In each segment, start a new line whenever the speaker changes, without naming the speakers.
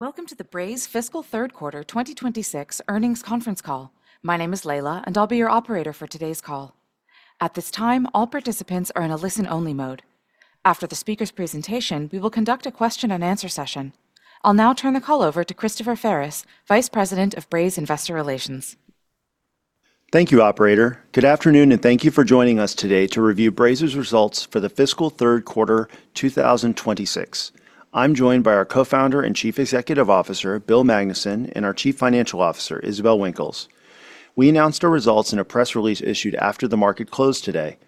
Welcome to the Braze Fiscal Third Quarter 2026 Earnings Conference Call. My name is Leila, and I'll be your operator for today's call. At this time, all participants are in a listen-only mode. After the speaker's presentation, we will conduct a question-and-answer session. I'll now turn the call over to Christopher Ferris, Vice President of Braze Investor Relations.
Thank you, Operator. Good afternoon, and thank you for joining us today to review Braze's results for the Fiscal Third Quarter 2026. I'm joined by our Co-Founder and Chief Executive Officer, Bill Magnuson, and our Chief Financial Officer, Isabelle Winkles. We announced our results in a press release issued after the market closed today.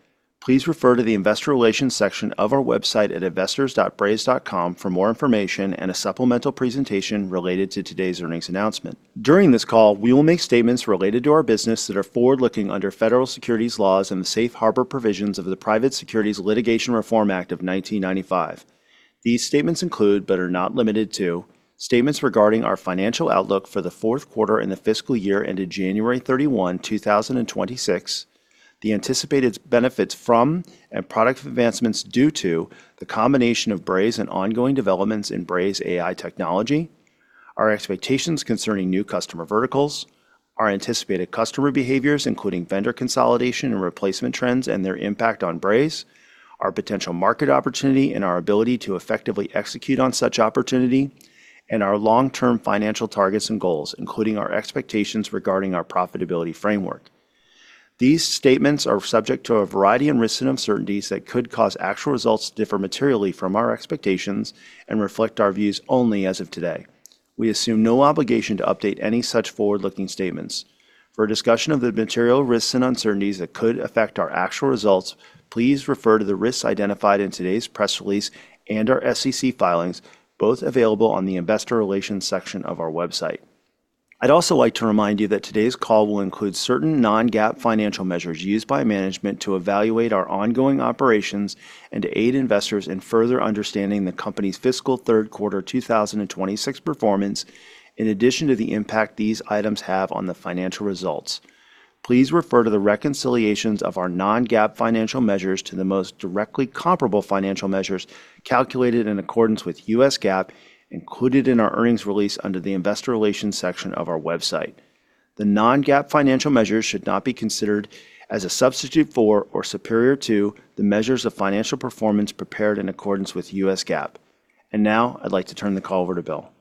Please refer to the Investor Relations section of our website at investors.braze.com for more information and a supplemental presentation related to today's earnings announcement. During this call, we will make statements related to our business that are forward-looking under federal securities laws and the safe harbor provisions of the Private Securities Litigation Reform Act of 1995. These statements include, but are not limited to, statements regarding our financial outlook for the fourth quarter in the fiscal year ended January 31, 2026, the anticipated benefits from and product advancements due to the combination of Braze and ongoing developments in Braze AI technology, our expectations concerning new customer verticals, our anticipated customer behaviors including vendor consolidation and replacement trends and their impact on Braze, our potential market opportunity and our ability to effectively execute on such opportunity, and our long-term financial targets and goals, including our expectations regarding our profitability framework. These statements are subject to a variety of risks and uncertainties that could cause actual results to differ materially from our expectations and reflect our views only as of today. We assume no obligation to update any such forward-looking statements. For a discussion of the material risks and uncertainties that could affect our actual results, please refer to the risks identified in today's press release and our SEC filings, both available on the Investor Relations section of our website. I'd also like to remind you that today's call will include certain non-GAAP financial measures used by management to evaluate our ongoing operations and to aid investors in further understanding the company's fiscal third quarter 2026 performance, in addition to the impact these items have on the financial results. Please refer to the reconciliations of our non-GAAP financial measures to the most directly comparable financial measures calculated in accordance with U.S. GAAP included in our earnings release under the Investor Relations section of our website. The non-GAAP financial measures should not be considered as a substitute for or superior to the measures of financial performance prepared in accordance with U.S. GAAP. Now, I'd like to turn the call over to Bill.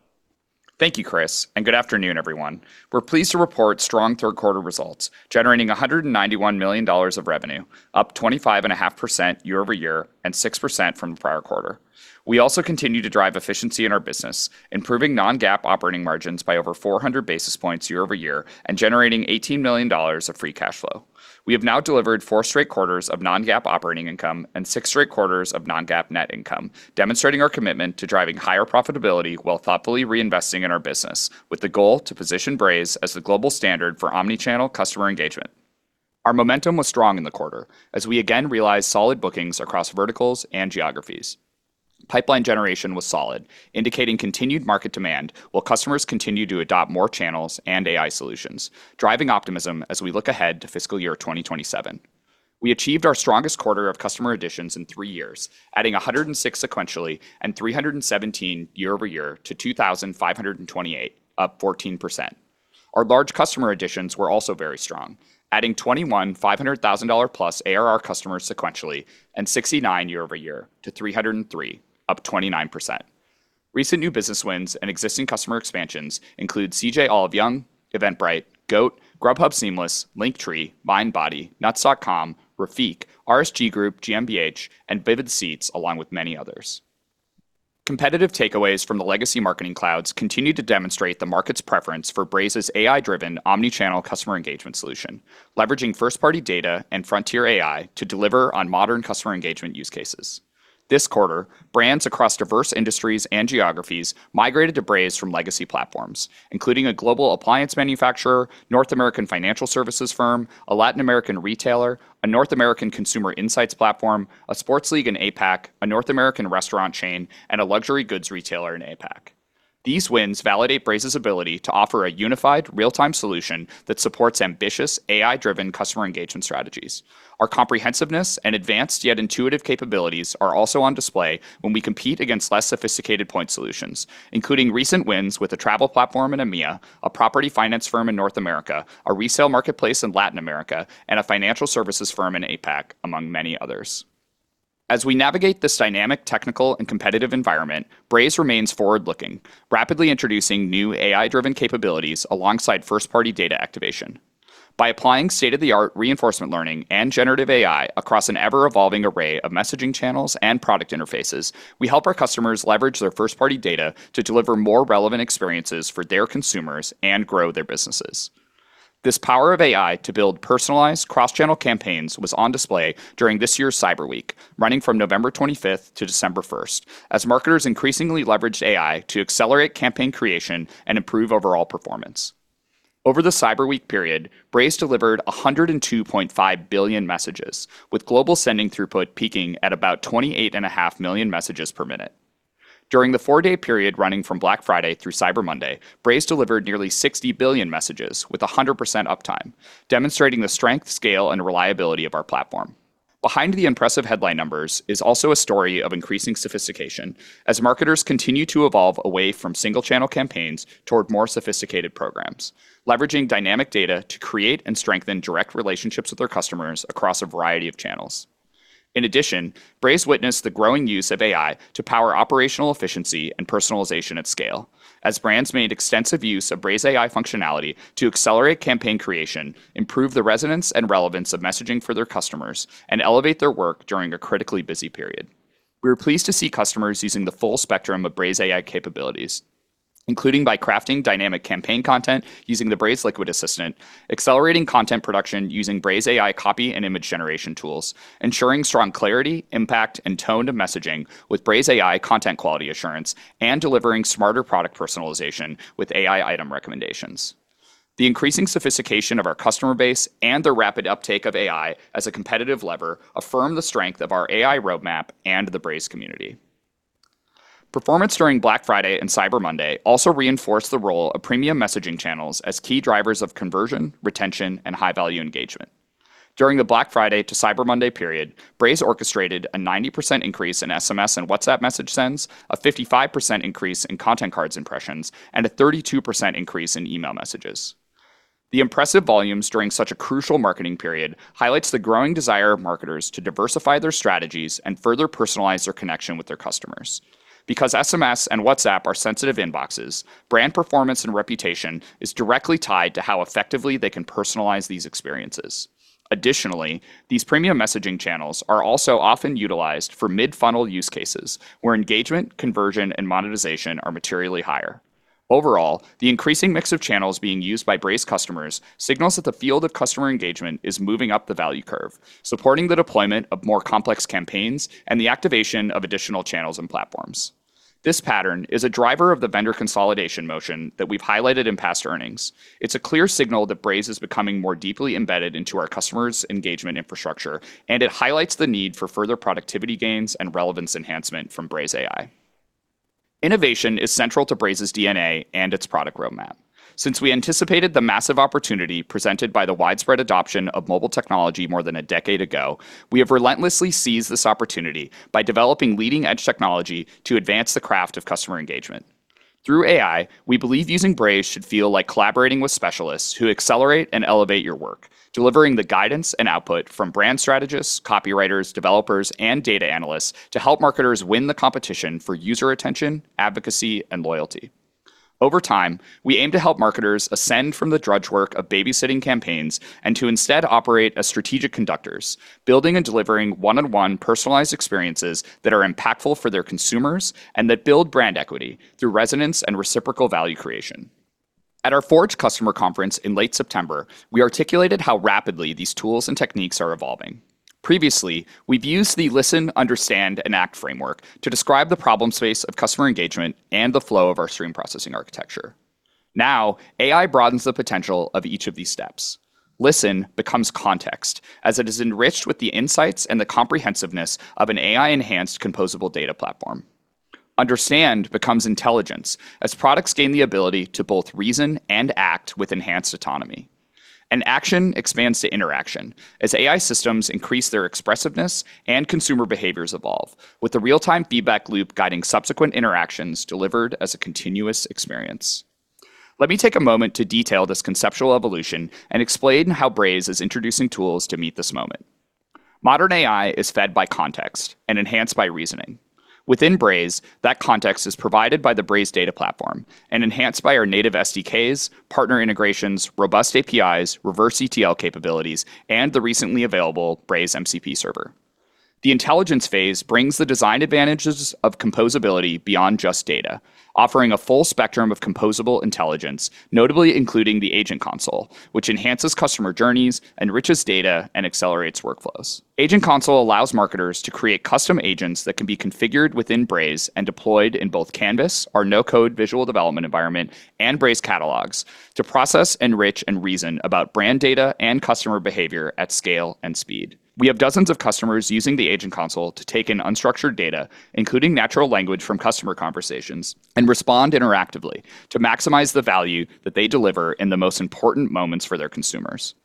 Thank you, Chris, and good afternoon, everyone. We're pleased to report strong third-quarter results, generating $191 million of revenue, up 25.5% year-over-year and 6% from the prior quarter. We also continue to drive efficiency in our business, improving non-GAAP operating margins by over 400 basis points year-over-year and generating $18 million of free cash flow. We have now delivered four straight quarters of non-GAAP operating income and six straight quarters of non-GAAP net income, demonstrating our commitment to driving higher profitability while thoughtfully reinvesting in our business, with the goal to position Braze as the global standard for omnichannel customer engagement. Our momentum was strong in the quarter, as we again realized solid bookings across verticals and geographies. Pipeline generation was solid, indicating continued market demand while customers continue to adopt more channels and AI solutions, driving optimism as we look ahead to fiscal year 2027. We achieved our strongest quarter of customer additions in three years, adding 106 sequentially and 317 year-over-year to 2,528, up 14%. Our large customer additions were also very strong, adding 21 $500,000-plus ARR customers sequentially and 69 year-over-year to 303, up 29%. Recent new business wins and existing customer expansions include CJ Olive Young, Eventbrite, GOAT, Grubhub Seamless, Linktree, Mindbody, Nuts.com, Rafeeq, RSG Group GmbH, and Vivid Seats, along with many others. Competitive takeaways from the legacy marketing clouds continue to demonstrate the market's preference for Braze's AI-driven omnichannel customer engagement solution, leveraging first-party data and frontier AI to deliver on modern customer engagement use cases. This quarter, brands across diverse industries and geographies migrated to Braze from legacy platforms, including a global appliance manufacturer, North American financial services firm, a Latin American retailer, a North American consumer insights platform, a sports league in APAC, a North American restaurant chain, and a luxury goods retailer in APAC. These wins validate Braze's ability to offer a unified, real-time solution that supports ambitious, AI-driven customer engagement strategies. Our comprehensiveness and advanced yet intuitive capabilities are also on display when we compete against less sophisticated point solutions, including recent wins with a travel platform in EMEA, a property finance firm in North America, a resale marketplace in Latin America, and a financial services firm in APAC, among many others. As we navigate this dynamic, technical, and competitive environment, Braze remains forward-looking, rapidly introducing new AI-driven capabilities alongside first-party data activation. By applying state-of-the-art reinforcement learning and generative AI across an ever-evolving array of messaging channels and product interfaces, we help our customers leverage their first-party data to deliver more relevant experiences for their consumers and grow their businesses. This power of AI to build personalized, cross-channel campaigns was on display during this year's Cyber Week, running from November 25–December 1, as marketers increasingly leveraged AI to accelerate campaign creation and improve overall performance. Over the Cyber Week period, Braze delivered 102.5 billion messages, with global sending throughput peaking at about 28.5 million messages per minute. During the four-day period running from Black Friday through Cyber Monday, Braze delivered nearly 60 billion messages with 100% uptime, demonstrating the strength, scale, and reliability of our platform. Behind the impressive headline numbers is also a story of increasing sophistication, as marketers continue to evolve away from single-channel campaigns toward more sophisticated programs, leveraging dynamic data to create and strengthen direct relationships with their customers across a variety of channels. In addition, Braze witnessed the growing use of AI to power operational efficiency and personalization at scale, as brands made extensive use of Braze AI functionality to accelerate campaign creation, improve the resonance and relevance of messaging for their customers, and elevate their work during a critically busy period. We are pleased to see customers using the full spectrum of Braze AI capabilities, including by crafting dynamic campaign content using the Braze Liquid Assistant, accelerating content production using Braze AI copy and image generation tools, ensuring strong clarity, impact, and tone of messaging with Braze AI content quality assurance, and delivering smarter product personalization with AI item recommendations. The increasing sophistication of our customer base and the rapid uptake of AI as a competitive lever affirm the strength of our AI roadmap and the Braze community. Performance during Black Friday and Cyber Monday also reinforced the role of premium messaging channels as key drivers of conversion, retention, and high-value engagement. During the Black Friday to Cyber Monday period, Braze orchestrated a 90% increase in SMS and WhatsApp message sends, a 55% increase in content cards impressions, and a 32% increase in email messages. The impressive volumes during such a crucial marketing period highlights the growing desire of marketers to diversify their strategies and further personalize their connection with their customers. Because SMS and WhatsApp are sensitive inboxes, brand performance and reputation is directly tied to how effectively they can personalize these experiences. Additionally, these premium messaging channels are also often utilized for mid-funnel use cases, where engagement, conversion, and monetization are materially higher. Overall, the increasing mix of channels being used by Braze customers signals that the field of customer engagement is moving up the value curve, supporting the deployment of more complex campaigns and the activation of additional channels and platforms. This pattern is a driver of the vendor consolidation motion that we've highlighted in past earnings. It's a clear signal that Braze is becoming more deeply embedded into our customers' engagement infrastructure, and it highlights the need for further productivity gains and relevance enhancement from Braze AI. Innovation is central to Braze's DNA and its product roadmap. Since we anticipated the massive opportunity presented by the widespread adoption of mobile technology more than a decade ago, we have relentlessly seized this opportunity by developing leading-edge technology to advance the craft of customer engagement. Through AI, we believe using Braze should feel like collaborating with specialists who accelerate and elevate your work, delivering the guidance and output from brand strategists, copywriters, developers, and data analysts to help marketers win the competition for user attention, advocacy, and loyalty. Over time, we aim to help marketers ascend from the drudge work of babysitting campaigns and to instead operate as strategic conductors, building and delivering one-on-one personalized experiences that are impactful for their consumers and that build brand equity through resonance and reciprocal value creation. At our Forge Customer Conference in late September, we articulated how rapidly these tools and techniques are evolving. Previously, we've used the Listen, Understand, and Act framework to describe the problem space of customer engagement and the flow of our stream processing architecture. Now, AI broadens the potential of each of these steps. Listen becomes context, as it is enriched with the insights and the comprehensiveness of an AI-enhanced composable data platform. Understand becomes intelligence, as products gain the ability to both reason and act with enhanced autonomy. And action expands to interaction, as AI systems increase their expressiveness and consumer behaviors evolve, with the real-time feedback loop guiding subsequent interactions delivered as a continuous experience. Let me take a moment to detail this conceptual evolution and explain how Braze is introducing tools to meet this moment. Modern AI is fed by context and enhanced by reasoning. Within Braze, that context is provided by the Braze Data Platform and enhanced by our native SDKs, partner integrations, robust APIs, Reverse ETL capabilities, and the recently available Braze MCP Server. The intelligence phase brings the design advantages of composability beyond just data, offering a full spectrum of composable intelligence, notably including the Agent Console, which enhances customer journeys, enriches data, and accelerates workflows. Agent Console allows marketers to create custom agents that can be configured within Braze and deployed in both Canvas, our no-code visual development environment, and Braze Catalogs to process, enrich, and reason about brand data and customer behavior at scale and speed. We have dozens of customers using the Agent Console to take in unstructured data, including natural language from customer conversations, and respond interactively to maximize the value that they deliver in the most important moments for their consumers.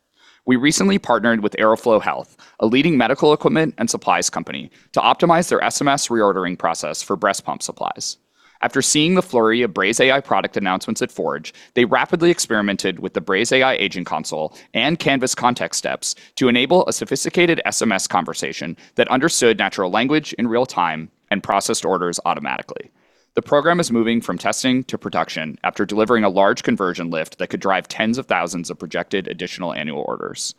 We recently partnered with Aeroflow Health, a leading medical equipment and supplies company, to optimize their SMS reordering process for breast pump supplies. After seeing the flurry of Braze AI product announcements at Forge, they rapidly experimented with the Braze AI Agent Console and Canvas context steps to enable a sophisticated SMS conversation that understood natural language in real time and processed orders automatically. The program is moving from testing to production after delivering a large conversion lift that could drive tens of thousands of projected additional annual orders.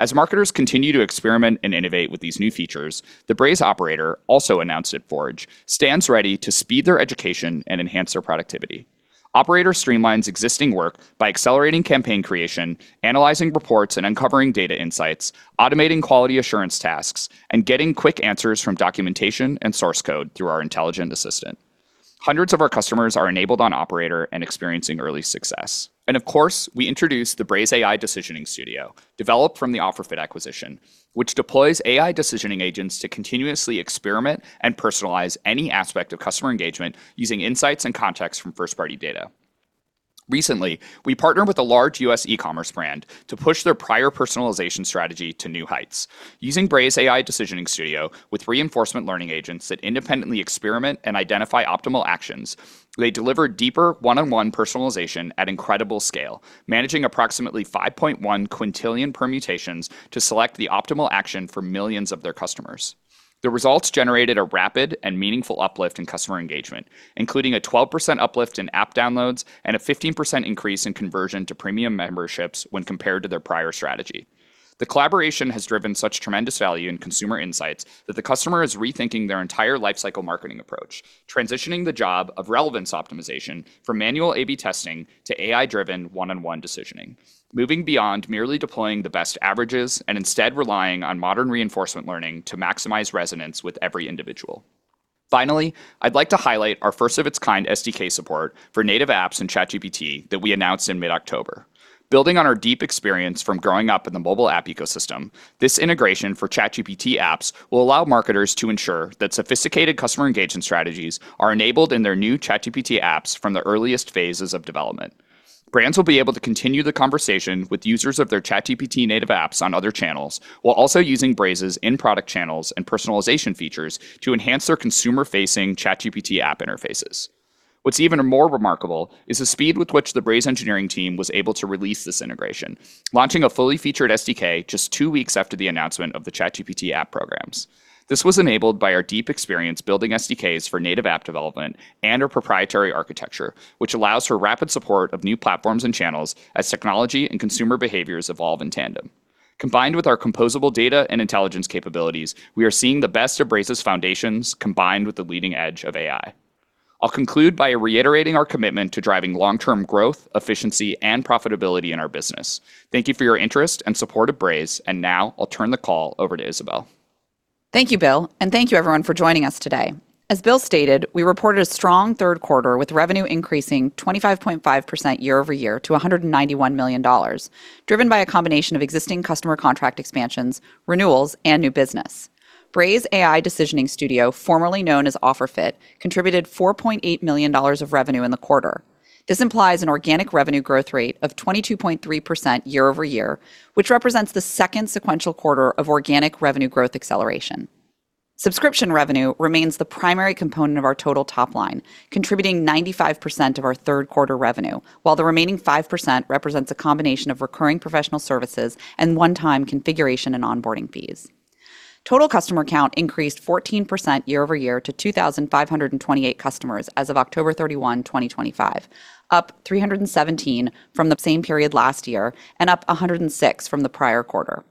As marketers continue to experiment and innovate with these new features, the Braze Operator, also announced at Forge, stands ready to speed their education and enhance their productivity. Operator streamlines existing work by accelerating campaign creation, analyzing reports and uncovering data insights, automating quality assurance tasks, and getting quick answers from documentation and source code through our intelligent assistant. Hundreds of our customers are enabled on Operator and experiencing early success. Of course, we introduced the Braze AI Decisioning Studio, developed from the OfferFit acquisition, which deploys AI decisioning agents to continuously experiment and personalize any aspect of customer engagement using insights and context from first-party data. Recently, we partnered with a large U.S. e-commerce brand to push their prior personalization strategy to new heights. Using Braze AI Decisioning Studio with reinforcement learning agents that independently experiment and identify optimal actions, they deliver deeper one-on-one personalization at incredible scale, managing approximately 5.1 quintillion permutations to select the optimal action for millions of their customers. The results generated a rapid and meaningful uplift in customer engagement, including a 12% uplift in app downloads and a 15% increase in conversion to premium memberships when compared to their prior strategy. The collaboration has driven such tremendous value in consumer insights that the customer is rethinking their entire lifecycle marketing approach, transitioning the job of relevance optimization from manual A/B testing to AI-driven one-on-one decisioning, moving beyond merely deploying the best averages and instead relying on modern reinforcement learning to maximize resonance with every individual. Finally, I'd like to highlight our first-of-its-kind SDK support for native apps in ChatGPT that we announced in mid-October. Building on our deep experience from growing up in the mobile app ecosystem, this integration for ChatGPT apps will allow marketers to ensure that sophisticated customer engagement strategies are enabled in their new ChatGPT apps from the earliest phases of development. Brands will be able to continue the conversation with users of their ChatGPT native apps on other channels while also using Braze's in-product channels and personalization features to enhance their consumer-facing ChatGPT app interfaces. What's even more remarkable is the speed with which the Braze engineering team was able to release this integration, launching a fully featured SDK just two weeks after the announcement of the ChatGPT app programs. This was enabled by our deep experience building SDKs for native app development and our proprietary architecture, which allows for rapid support of new platforms and channels as technology and consumer behaviors evolve in tandem. Combined with our composable data and intelligence capabilities, we are seeing the best of Braze's foundations combined with the leading edge of AI. I'll conclude by reiterating our commitment to driving long-term growth, efficiency, and profitability in our business. Thank you for your interest and support of Braze, and now I'll turn the call over to Isabelle.
Thank you, Bill, and thank you, everyone, for joining us today. As Bill stated, we reported a strong third quarter with revenue increasing 25.5% year-over-year to $191 million, driven by a combination of existing customer contract expansions, renewals, and new business. Braze AI Decisioning Studio, formerly known as OfferFit, contributed $4.8 million of revenue in the quarter. This implies an organic revenue growth rate of 22.3% year-over-year, which represents the second sequential quarter of organic revenue growth acceleration. Subscription revenue remains the primary component of our total top line, contributing 95% of our third quarter revenue, while the remaining 5% represents a combination of recurring professional services and one-time configuration and onboarding fees. Total customer count increased 14% year-over-year to 2,528 customers as of October 31, 2025, up 317 from the same period last year and up 106 from the prior quarter.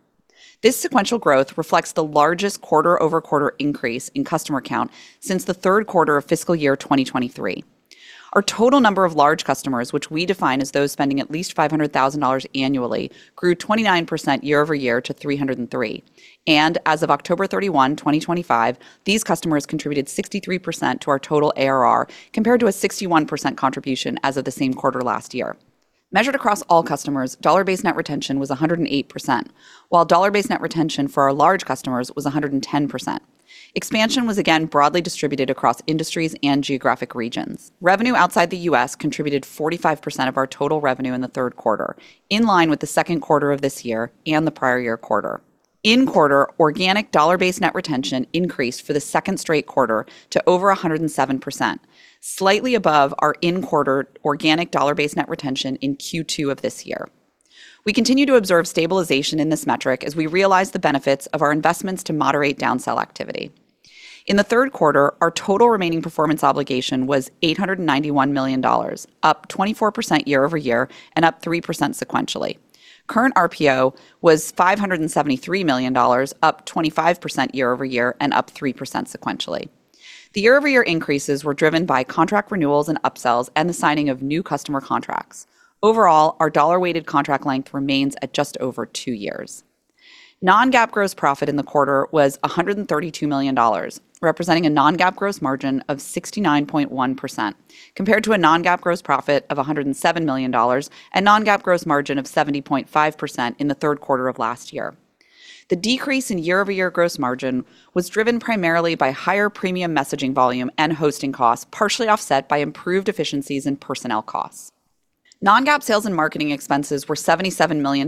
This sequential growth reflects the largest quarter-over-quarter increase in customer count since the third quarter of fiscal year 2023. Our total number of large customers, which we define as those spending at least $500,000 annually, grew 29% year-over-year to 303, and as of October 31, 2025, these customers contributed 63% to our total ARR, compared to a 61% contribution as of the same quarter last year. Measured across all customers, dollar-based net retention was 108%, while dollar-based net retention for our large customers was 110%. Expansion was again broadly distributed across industries and geographic regions. Revenue outside the U.S. contributed 45% of our total revenue in the third quarter, in line with the second quarter of this year and the prior year quarter. In the quarter, organic dollar-based net retention increased for the second straight quarter to over 107%, slightly above our in-quarter organic dollar-based net retention in Q2 of this year. We continue to observe stabilization in this metric as we realize the benefits of our investments to moderate downsell activity. In the third quarter, our total remaining performance obligation was $891 million, up 24% year-over-year and up 3% sequentially. Current RPO was $573 million, up 25% year-over-year and up 3% sequentially. The year-over-year increases were driven by contract renewals and upsells and the signing of new customer contracts. Overall, our dollar-weighted contract length remains at just over two years. Non-GAAP gross profit in the quarter was $132 million, representing a Non-GAAP gross margin of 69.1%, compared to a Non-GAAP gross profit of $107 million and Non-GAAP gross margin of 70.5% in the third quarter of last year. The decrease in year-over-year gross margin was driven primarily by higher premium messaging volume and hosting costs, partially offset by improved efficiencies in personnel costs. Non-GAAP sales and marketing expenses were $77 million,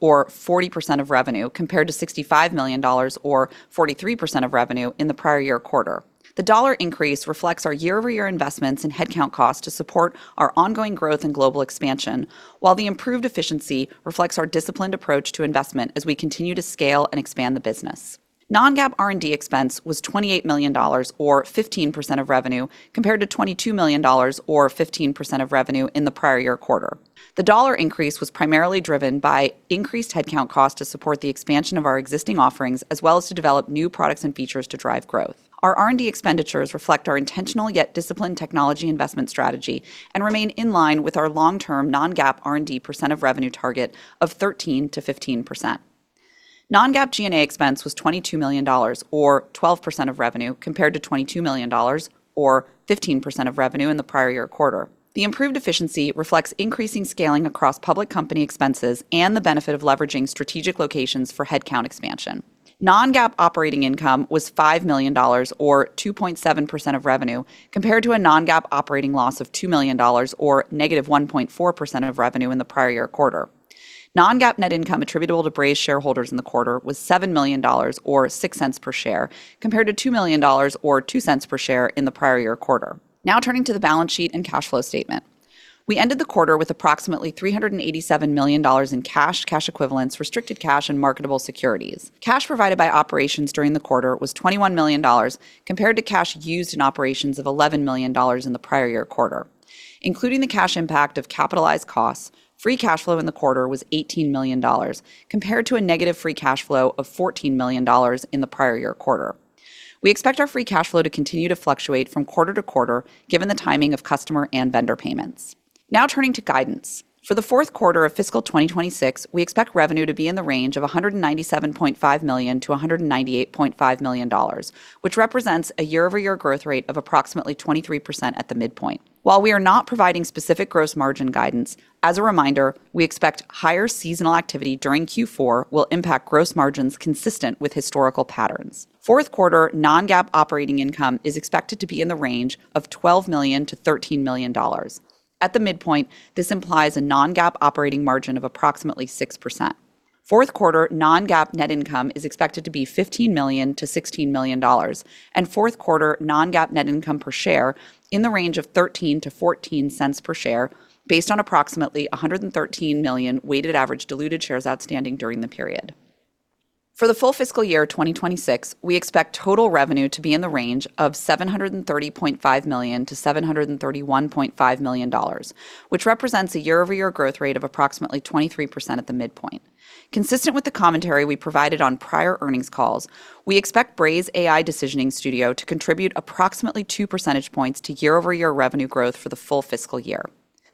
or 40% of revenue, compared to $65 million, or 43% of revenue in the prior year quarter. The dollar increase reflects our year-over-year investments and headcount costs to support our ongoing growth and global expansion, while the improved efficiency reflects our disciplined approach to investment as we continue to scale and expand the business. Non-GAAP R&D expense was $28 million, or 15% of revenue, compared to $22 million, or 15% of revenue in the prior year quarter. The dollar increase was primarily driven by increased headcount costs to support the expansion of our existing offerings, as well as to develop new products and features to drive growth. Our R&D expenditures reflect our intentional yet disciplined technology investment strategy and remain in line with our long-term non-GAAP R&D percent of revenue target of 13%–15%. Non-GAAP G&A expense was $22 million, or 12% of revenue, compared to $22 million, or 15% of revenue in the prior year quarter. The improved efficiency reflects increasing scaling across public company expenses and the benefit of leveraging strategic locations for headcount expansion. Non-GAAP operating income was $5 million, or 2.7% of revenue, compared to a non-GAAP operating loss of $2 million, or -1.4% of revenue in the prior year quarter. Non-GAAP net income attributable to Braze shareholders in the quarter was $7 million, or $0.06 per share, compared to $2 million, or $0.02 per share in the prior year quarter. Now turning to the balance sheet and cash flow statement. We ended the quarter with approximately $387 million in cash, cash equivalents, restricted cash, and marketable securities. Cash provided by operations during the quarter was $21 million, compared to cash used in operations of $11 million in the prior year quarter. Including the cash impact of capitalized costs, free cash flow in the quarter was $18 million, compared to a negative free cash flow of $14 million in the prior year quarter. We expect our free cash flow to continue to fluctuate from quarter-to-quarter, given the timing of customer and vendor payments. Now turning to guidance. For the fourth quarter of fiscal 2026, we expect revenue to be in the range of $197.5–$198.5 million, which represents a year-over-year growth rate of approximately 23% at the midpoint. While we are not providing specific gross margin guidance, as a reminder, we expect higher seasonal activity during Q4 will impact gross margins consistent with historical patterns. Fourth quarter non-GAAP operating income is expected to be in the range of $12 million–$13 million. At the midpoint, this implies a non-GAAP operating margin of approximately 6%. Fourth quarter non-GAAP net income is expected to be $15 million–$16 million, and fourth quarter non-GAAP net income per share in the range of $0.13–$0.14 per share, based on approximately 113 million weighted average diluted shares outstanding during the period. For the full fiscal year 2026, we expect total revenue to be in the range of $730.5 million–$731.5 million, which represents a year-over-year growth rate of approximately 23% at the midpoint. Consistent with the commentary we provided on prior earnings calls, we expect Braze AI Decisioning Studio to contribute approximately 2 percentage points to year-over-year revenue growth for the full fiscal year.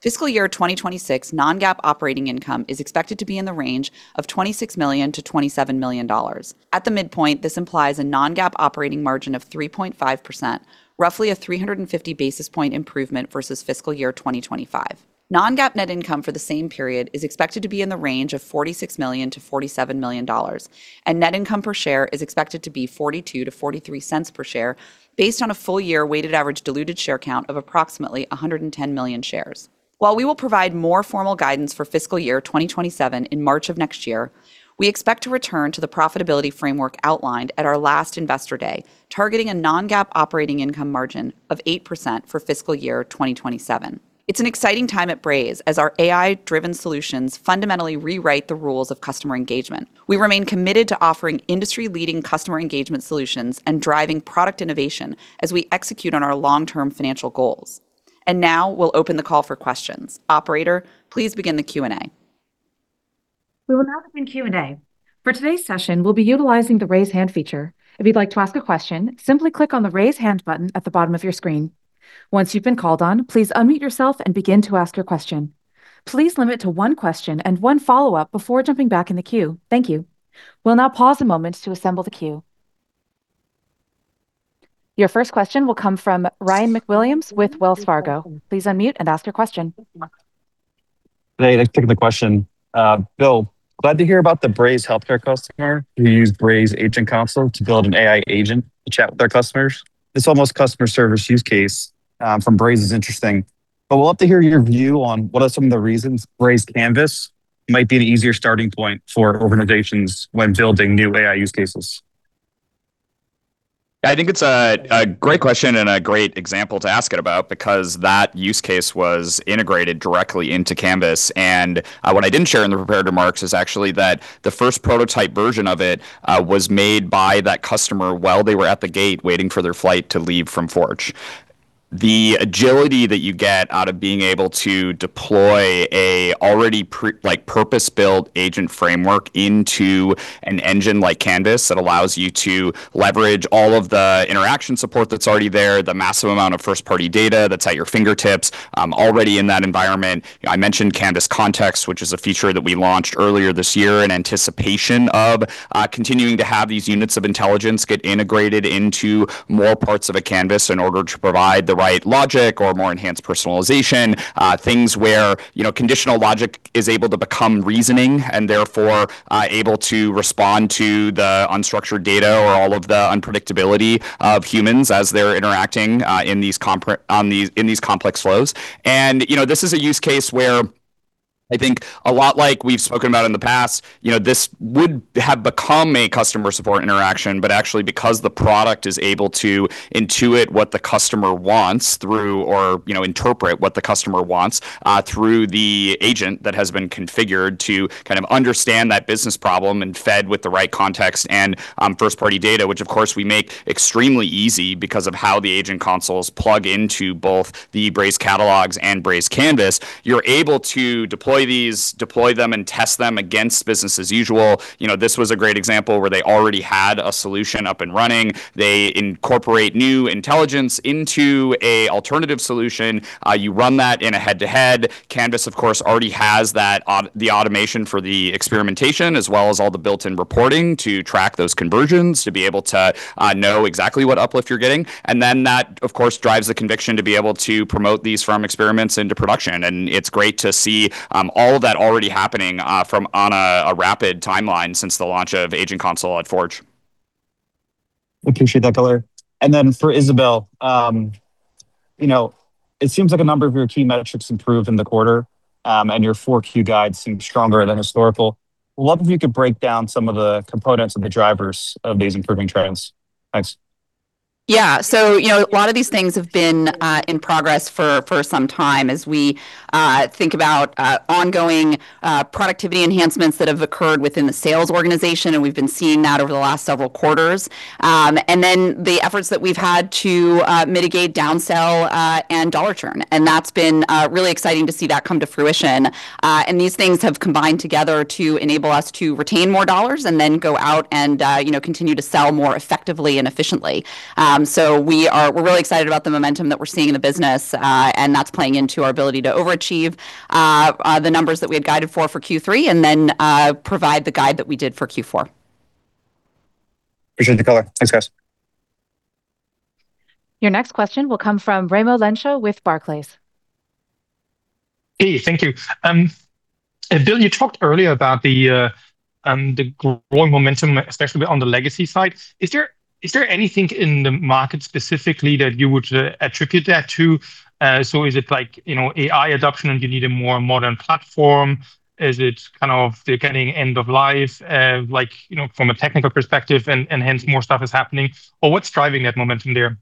Fiscal year 2026 non-GAAP operating income is expected to be in the range of $26 million–$27 million. At the midpoint, this implies a non-GAAP operating margin of 3.5%, roughly a 350 basis point improvement versus fiscal year 2025. Non-GAAP net income for the same period is expected to be in the range of $46 million–$47 million, and net income per share is expected to be $0.42–$0.43 per share, based on a full year weighted average diluted share count of approximately 110 million shares. While we will provide more formal guidance for fiscal year 2027 in March of next year, we expect to return to the profitability framework outlined at our last investor day, targeting a non-GAAP operating income margin of 8% for fiscal year 2027. It's an exciting time at Braze as our AI-driven solutions fundamentally rewrite the rules of customer engagement. We remain committed to offering industry-leading customer engagement solutions and driving product innovation as we execute on our long-term financial goals. And now we'll open the call for questions. Operator, please begin the Q&A.
We will now begin Q&A. For today's session, we'll be utilizing the raise hand feature. If you'd like to ask a question, simply click on the raise hand button at the bottom of your screen. Once you've been called on, please unmute yourself and begin to ask your question. Please limit to one question and one follow-up before jumping back in the queue. Thank you. We'll now pause a moment to assemble the queue. Your first question will come from Ryan MacWilliams with Wells Fargo. Please unmute and ask your question.
Hey, thanks for taking the question. Bill, glad to hear about the Braze healthcare customer who used Braze Agent Console to build an AI agent to chat with their customers. This almost customer service use case from Braze is interesting, but we'll have to hear your view on what are some of the reasons Braze Canvas might be an easier starting point for organizations when building new AI use cases.
I think it's a great question and a great example to ask it about because that use case was integrated directly into Canvas. What I didn't share in the prepared remarks is actually that the first prototype version of it was made by that customer while they were at the gate waiting for their flight to leave from Forge. The agility that you get out of being able to deploy an already purpose-built agent framework into an engine like Canvas that allows you to leverage all of the interaction support that's already there, the massive amount of first-party data that's at your fingertips already in that environment. I mentioned Canvas Context, which is a feature that we launched earlier this year in anticipation of continuing to have these units of intelligence get integrated into more parts of a Canvas in order to provide the right logic or more enhanced personalization. Things where conditional logic is able to become reasoning and therefore able to respond to the unstructured data or all of the unpredictability of humans as they're interacting in these complex flows, and this is a use case where I think a lot like we've spoken about in the past, this would have become a customer support interaction, but actually because the product is able to intuit what the customer wants through or interpret what the customer wants through the agent that has been configured to kind of understand that business problem and fed with the right context and first-party data, which of course we make extremely easy because of how the Agent Consoles plug into both the Braze Catalogs and Braze Canvas. You're able to deploy these, deploy them, and test them against business as usual. This was a great example where they already had a solution up and running. They incorporate new intelligence into an alternative solution. You run that in a head-to-head. Canvas, of course, already has the automation for the experimentation, as well as all the built-in reporting to track those conversions, to be able to know exactly what uplift you're getting. And then that, of course, drives the conviction to be able to promote these firm experiments into production. And it's great to see all of that already happening on a rapid timeline since the launch of Agent Console at Forge.
Appreciate that, Tyler. And then for Isabelle, it seems like a number of your key metrics improved in the quarter, and your Q4 guide seems stronger than historical. I'd love if you could break down some of the components of the drivers of these improving trends. Thanks.
Yeah, so a lot of these things have been in progress for some time as we think about ongoing productivity enhancements that have occurred within the sales organization, and we've been seeing that over the last several quarters. And then the efforts that we've had to mitigate downsell and dollar churn. And that's been really exciting to see that come to fruition. And these things have combined together to enable us to retain more dollars and then go out and continue to sell more effectively and efficiently. So we're really excited about the momentum that we're seeing in the business, and that's playing into our ability to overachieve the numbers that we had guided for for Q3 and then provide the guide that we did for Q4.
Appreciate it, Tyler. Thanks, guys.
Your next question will come from Raimo Lenschow with Barclays.
Hey, thank you. Bill, you talked earlier about the growing momentum, especially on the legacy side. Is there anything in the market specifically that you would attribute that to? So is it AI adoption and you need a more modern platform? Is it kind of getting end of life from a technical perspective and hence more stuff is happening? Or what's driving that momentum there?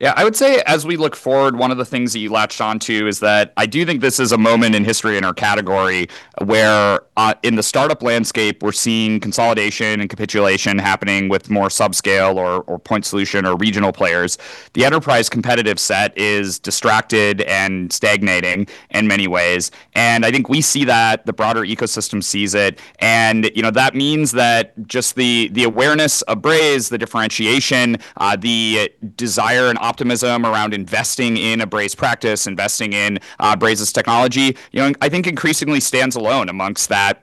Yeah, I would say as we look forward, one of the things that you latched onto is that I do think this is a moment in history in our category where in the startup landscape, we're seeing consolidation and capitulation happening with more subscale or point solution or regional players. The enterprise competitive set is distracted and stagnating in many ways. And I think we see that, the broader ecosystem sees it. That means that just the awareness of Braze, the differentiation, the desire and optimism around investing in a Braze practice, investing in Braze's technology, I think increasingly stands alone amongst that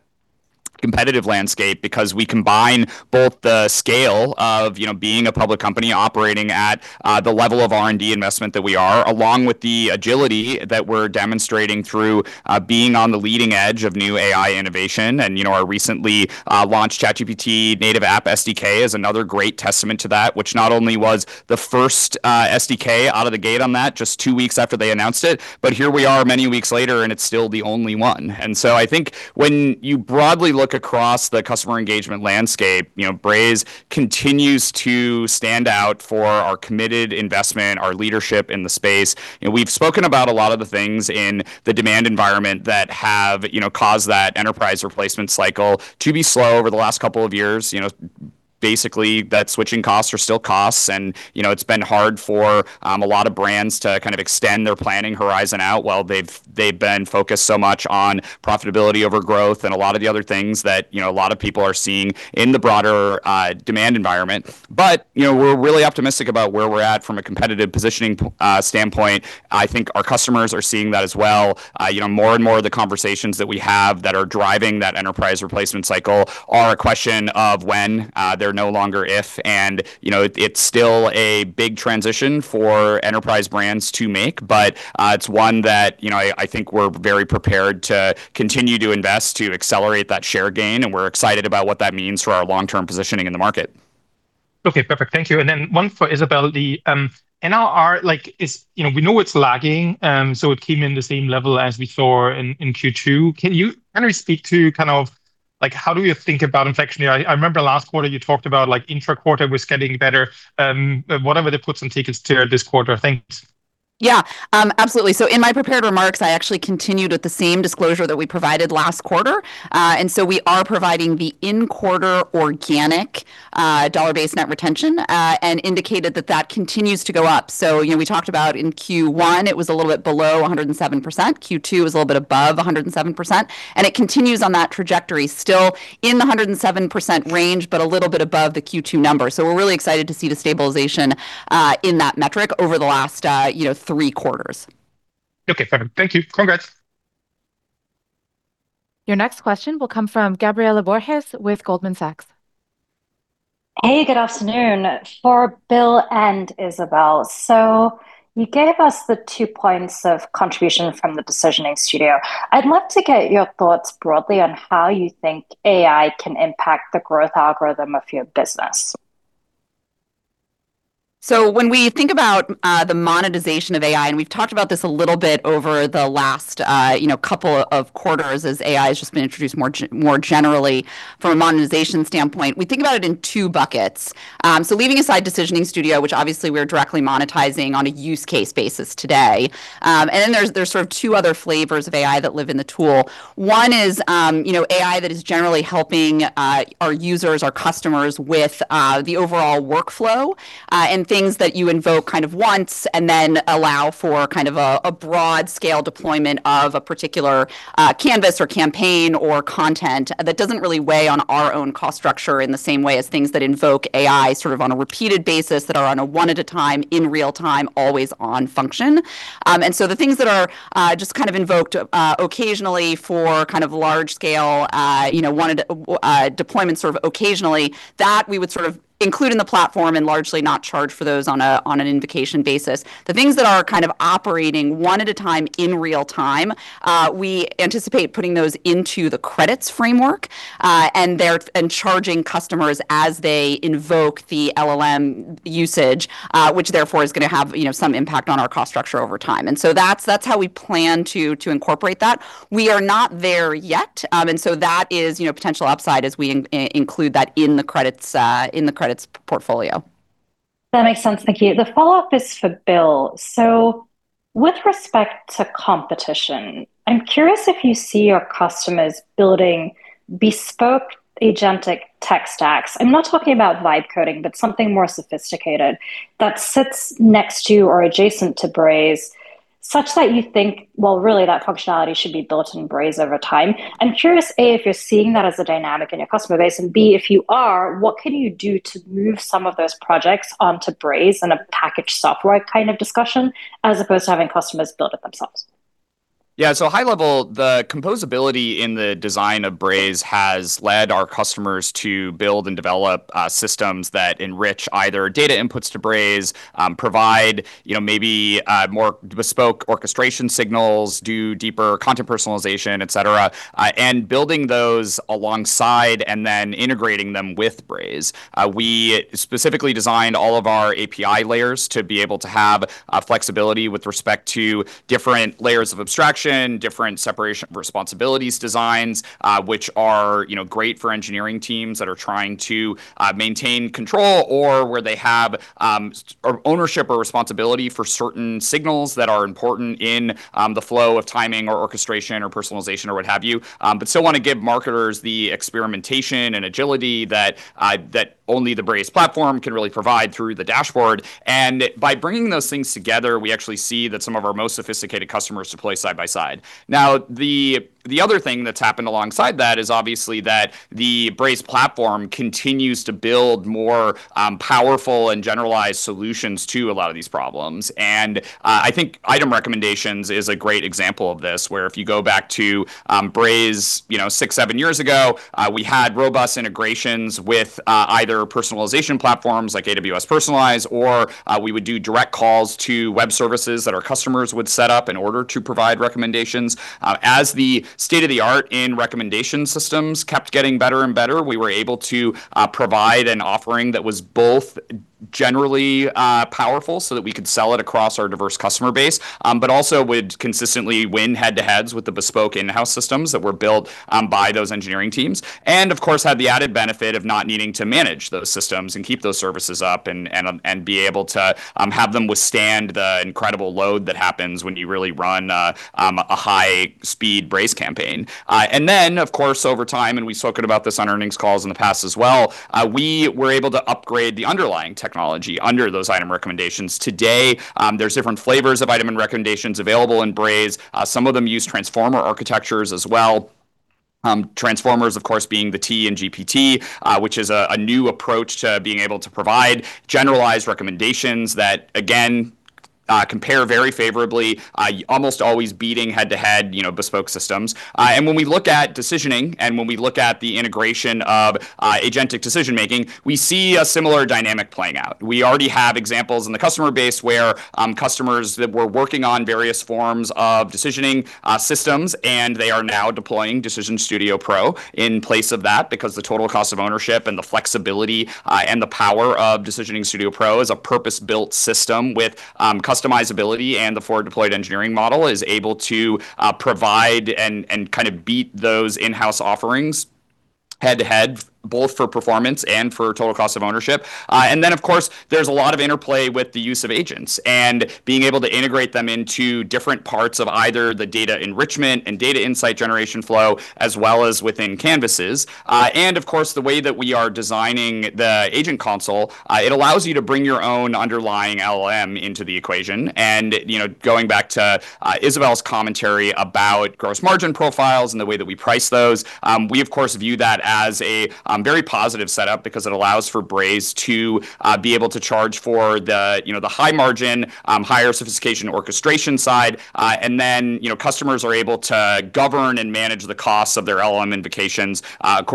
competitive landscape because we combine both the scale of being a public company operating at the level of R&D investment that we are, along with the agility that we're demonstrating through being on the leading edge of new AI innovation. Our recently launched ChatGPT native app SDK is another great testament to that, which not only was the first SDK out of the gate on that just two weeks after they announced it, but here we are many weeks later and it's still the only one. So I think when you broadly look across the customer engagement landscape, Braze continues to stand out for our committed investment, our leadership in the space. We've spoken about a lot of the things in the demand environment that have caused that enterprise replacement cycle to be slow over the last couple of years. Basically, that switching costs are still costs. And it's been hard for a lot of brands to kind of extend their planning horizon out while they've been focused so much on profitability over growth and a lot of the other things that a lot of people are seeing in the broader demand environment. But we're really optimistic about where we're at from a competitive positioning standpoint. I think our customers are seeing that as well. More and more of the conversations that we have that are driving that enterprise replacement cycle are a question of when. They're no longer if. And it's still a big transition for enterprise brands to make, but it's one that I think we're very prepared to continue to invest to accelerate that share gain. And we're excited about what that means for our long-term positioning in the market.
Okay, perfect. Thank you. And then one for Isabelle, the NRR, we know it's lagging, so it came in the same level as we saw in Q2. Can you kind of speak to kind of how do you think about inflection? I remember last quarter you talked about intra-quarter was getting better. We'd hope to see some uptick this quarter, thanks.
Yeah, absolutely. So in my prepared remarks, I actually continued with the same disclosure that we provided last quarter. And so we are providing the in-quarter organic dollar-based net retention and indicated that that continues to go up. So we talked about in Q1, it was a little bit below 107%. Q2 was a little bit above 107%. And it continues on that trajectory, still in the 107% range, but a little bit above the Q2 number. So we're really excited to see the stabilization in that metric over the last three quarters.
Okay, perfect. Thank you. Congrats.
Your next question will come from Gabriela Borges with Goldman Sachs.
Hey, good afternoon. For Bill and Isabelle, so you gave us the two points of contribution from the decisioning studio. I'd love to get your thoughts broadly on how you think AI can impact the growth algorithm of your business.
So when we think about the monetization of AI, and we've talked about this a little bit over the last couple of quarters as AI has just been introduced more generally from a monetization standpoint, we think about it in two buckets. So leaving aside Decisioning Studio, which obviously we're directly monetizing on a use case basis today. And then there's sort of two other flavors of AI that live in the tool. One is AI that is generally helping our users, our customers with the overall workflow and things that you invoke kind of once and then allow for kind of a broad-scale deployment of a particular Canvas or campaign or content that doesn't really weigh on our own cost structure in the same way as things that invoke AI sort of on a repeated basis that are on a one-at-a-time, in-real-time, always-on function. And so the things that are just kind of invoked occasionally for kind of large-scale deployment sort of occasionally, that we would sort of include in the platform and largely not charge for those on an invocation basis. The things that are kind of operating one-at-a-time in real-time, we anticipate putting those into the credits framework and charging customers as they invoke the LLM usage, which therefore is going to have some impact on our cost structure over time. And so that's how we plan to incorporate that. We are not there yet. And so that is potential upside as we include that in the credits portfolio.
That makes sense, thank you. The follow-up is for Bill. So with respect to competition, I'm curious if you see your customers building bespoke agentic tech stacks. I'm not talking about vibe coding, but something more sophisticated that sits next to or adjacent to Braze such that you think, well, really that functionality should be built in Braze over time. I'm curious, A, if you're seeing that as a dynamic in your customer base, and B, if you are, what can you do to move some of those projects onto Braze and a package software kind of discussion as opposed to having customers build it themselves?
Yeah, so high level, the composability in the design of Braze has led our customers to build and develop systems that enrich either data inputs to Braze, provide maybe more bespoke orchestration signals, do deeper content personalization, et cetera, and building those alongside and then integrating them with Braze. We specifically designed all of our API layers to be able to have flexibility with respect to different layers of abstraction, different separation of responsibilities designs, which are great for engineering teams that are trying to maintain control or where they have ownership or responsibility for certain signals that are important in the flow of timing or orchestration or personalization or what have you, but still want to give marketers the experimentation and agility that only the Braze platform can really provide through the dashboard, and by bringing those things together, we actually see that some of our most sophisticated customers to play side by side. Now, the other thing that's happened alongside that is obviously that the Braze platform continues to build more powerful and generalized solutions to a lot of these problems. I think item recommendations is a great example of this where if you go back to Braze six, seven years ago, we had robust integrations with either personalization platforms like AWS Personalize, or we would do direct calls to web services that our customers would set up in order to provide recommendations. As the state of the art in recommendation systems kept getting better and better, we were able to provide an offering that was both generally powerful so that we could sell it across our diverse customer base, but also would consistently win head-to-heads with the bespoke in-house systems that were built by those engineering teams. Of course, had the added benefit of not needing to manage those systems and keep those services up and be able to have them withstand the incredible load that happens when you really run a high-speed Braze campaign. And then, of course, over time, and we've spoken about this on earnings calls in the past as well, we were able to upgrade the underlying technology under those item recommendations. Today, there's different flavors of item recommendations available in Braze. Some of them use transformer architectures as well. Transformers, of course, being the T in GPT, which is a new approach to being able to provide generalized recommendations that, again, compare very favorably, almost always beating head-to-head bespoke systems. And when we look at decisioning and when we look at the integration of agentic decision-making, we see a similar dynamic playing out. We already have examples in the customer base where customers that were working on various forms of decisioning systems, and they are now deploying Decisioning Studio Pro in place of that because the total cost of ownership and the flexibility and the power of Decisioning Studio Pro is a purpose-built system with customizability, and the forward-deployed engineering model is able to provide and kind of beat those in-house offerings head-to-head, both for performance and for total cost of ownership. And then, of course, there's a lot of interplay with the use of agents and being able to integrate them into different parts of either the data enrichment and data insight generation flow, as well as within canvases. And of course, the way that we are designing the agent console, it allows you to bring your own underlying LLM into the equation. Going back to Isabelle's commentary about gross margin profiles and the way that we price those, we, of course, view that as a very positive setup because it allows for Braze to be able to charge for the high-margin, higher sophistication orchestration side. And then customers are able to govern and manage the costs of their LLM invocations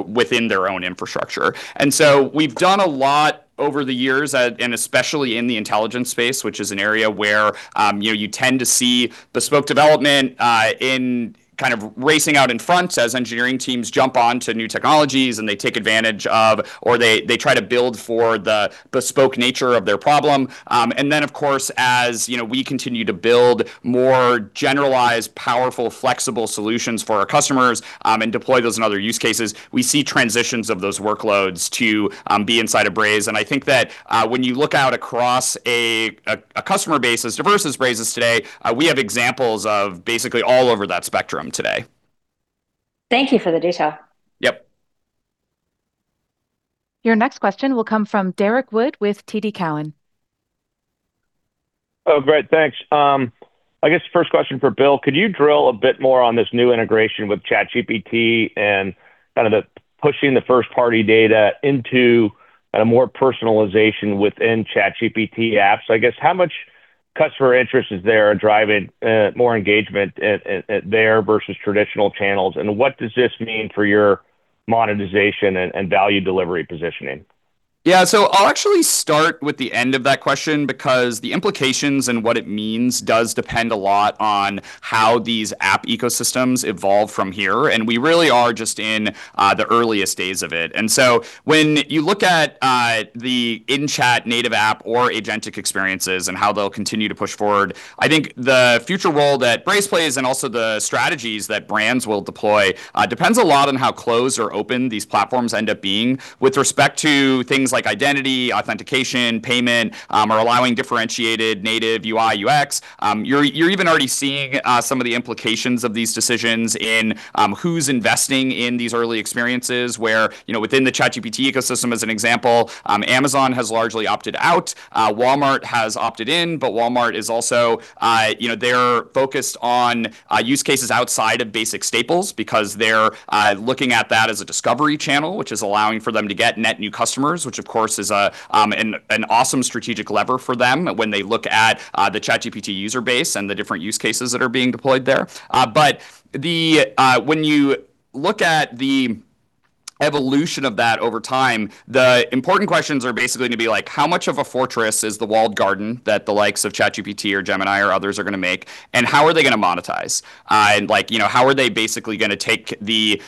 within their own infrastructure. And so we've done a lot over the years, and especially in the intelligence space, which is an area where you tend to see bespoke development in kind of racing out in front as engineering teams jump on to new technologies and they take advantage of, or they try to build for the bespoke nature of their problem. And then, of course, as we continue to build more generalized, powerful, flexible solutions for our customers and deploy those in other use cases, we see transitions of those workloads to be inside of Braze. And I think that when you look out across a customer base as diverse as Braze is today, we have examples of basically all over that spectrum today.
Thank you for the detail.
Yep.
Your next question will come from Derek Wood with TD Cowen.
Oh, great. Thanks. I guess first question for Bill, could you drill a bit more on this new integration with ChatGPT and kind of pushing the first-party data into a more personalization within ChatGPT apps? I guess how much customer interest is there in driving more engagement there versus traditional channels? And what does this mean for your monetization and value delivery positioning?
Yeah, so I'll actually start with the end of that question because the implications and what it means does depend a lot on how these app ecosystems evolve from here. And we really are just in the earliest days of it. And so when you look at the in-chat native app or agentic experiences and how they'll continue to push forward, I think the future role that Braze plays and also the strategies that brands will deploy depends a lot on how closed or open these platforms end up being with respect to things like identity, authentication, payment, or allowing differentiated native UI/UX. You're even already seeing some of the implications of these decisions in who's investing in these early experiences where within the ChatGPT ecosystem, as an example, Amazon has largely opted out. Walmart has opted in, but Walmart is also they're focused on use cases outside of basic staples because they're looking at that as a discovery channel, which is allowing for them to get net new customers, which of course is an awesome strategic lever for them when they look at the ChatGPT user base and the different use cases that are being deployed there. But when you look at the evolution of that over time, the important questions are basically going to be like, how much of a fortress is the walled garden that the likes of ChatGPT or Gemini or others are going to make, and how are they going to monetize, and how are they basically going to take the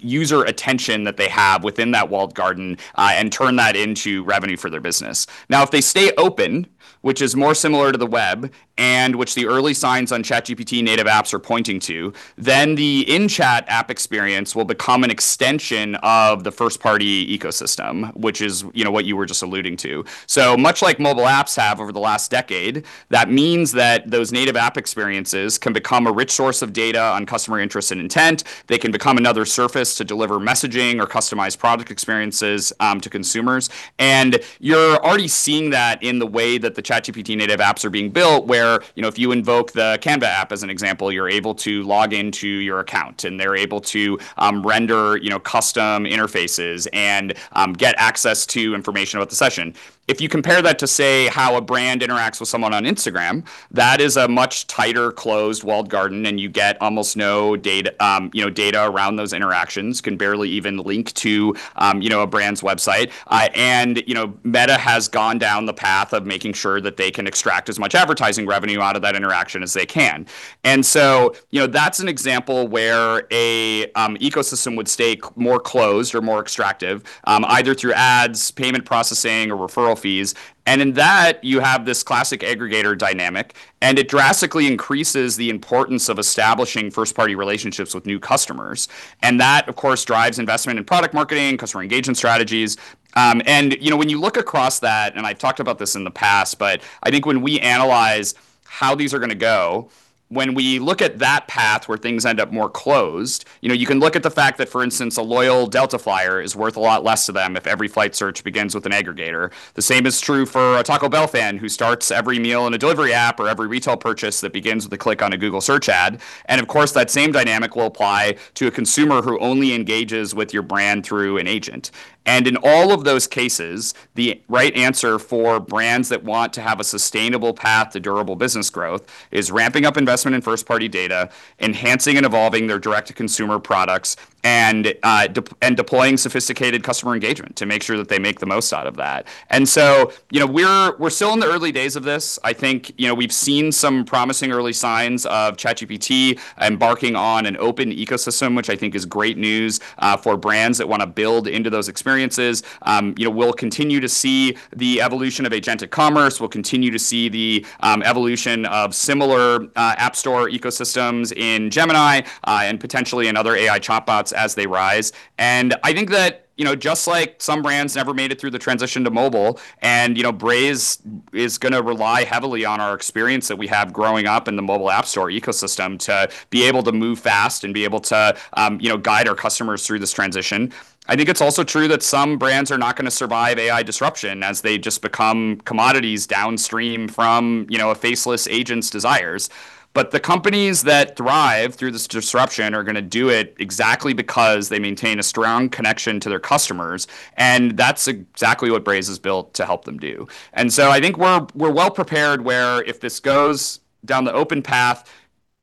user attention that they have within that walled garden and turn that into revenue for their business? Now, if they stay open, which is more similar to the web and which the early signs on ChatGPT native apps are pointing to, then the in-chat app experience will become an extension of the first-party ecosystem, which is what you were just alluding to. So much like mobile apps have over the last decade, that means that those native app experiences can become a rich source of data on customer interest and intent. They can become another surface to deliver messaging or customized product experiences to consumers. And you're already seeing that in the way that the ChatGPT native apps are being built, where if you invoke the Canva app as an example, you're able to log into your account and they're able to render custom interfaces and get access to information about the session. If you compare that to, say, how a brand interacts with someone on Instagram, that is a much tighter closed walled garden, and you get almost no data around those interactions, can barely even link to a brand's website. And Meta has gone down the path of making sure that they can extract as much advertising revenue out of that interaction as they can. And so that's an example where an ecosystem would stay more closed or more extractive, either through ads, payment processing, or referral fees. And in that, you have this classic aggregator dynamic, and it drastically increases the importance of establishing first-party relationships with new customers. And that, of course, drives investment in product marketing, customer engagement strategies. When you look across that, and I've talked about this in the past, but I think when we analyze how these are going to go, when we look at that path where things end up more closed, you can look at the fact that, for instance, a loyal Delta flyer is worth a lot less to them if every flight search begins with an aggregator. The same is true for a Taco Bell fan who starts every meal in a delivery app or every retail purchase that begins with a click on a Google search ad. And of course, that same dynamic will apply to a consumer who only engages with your brand through an agent. In all of those cases, the right answer for brands that want to have a sustainable path to durable business growth is ramping up investment in first-party data, enhancing and evolving their direct-to-consumer products, and deploying sophisticated customer engagement to make sure that they make the most out of that. We're still in the early days of this. I think we've seen some promising early signs of ChatGPT embarking on an open ecosystem, which I think is great news for brands that want to build into those experiences. We'll continue to see the evolution of agentic commerce. We'll continue to see the evolution of similar app store ecosystems in Gemini and potentially in other AI chatbots as they rise. I think that just like some brands never made it through the transition to mobile, and Braze is going to rely heavily on our experience that we have growing up in the mobile app store ecosystem to be able to move fast and be able to guide our customers through this transition. I think it's also true that some brands are not going to survive AI disruption as they just become commodities downstream from a faceless agent's desires. The companies that thrive through this disruption are going to do it exactly because they maintain a strong connection to their customers. That's exactly what Braze is built to help them do. I think we're well prepared where if this goes down the open path,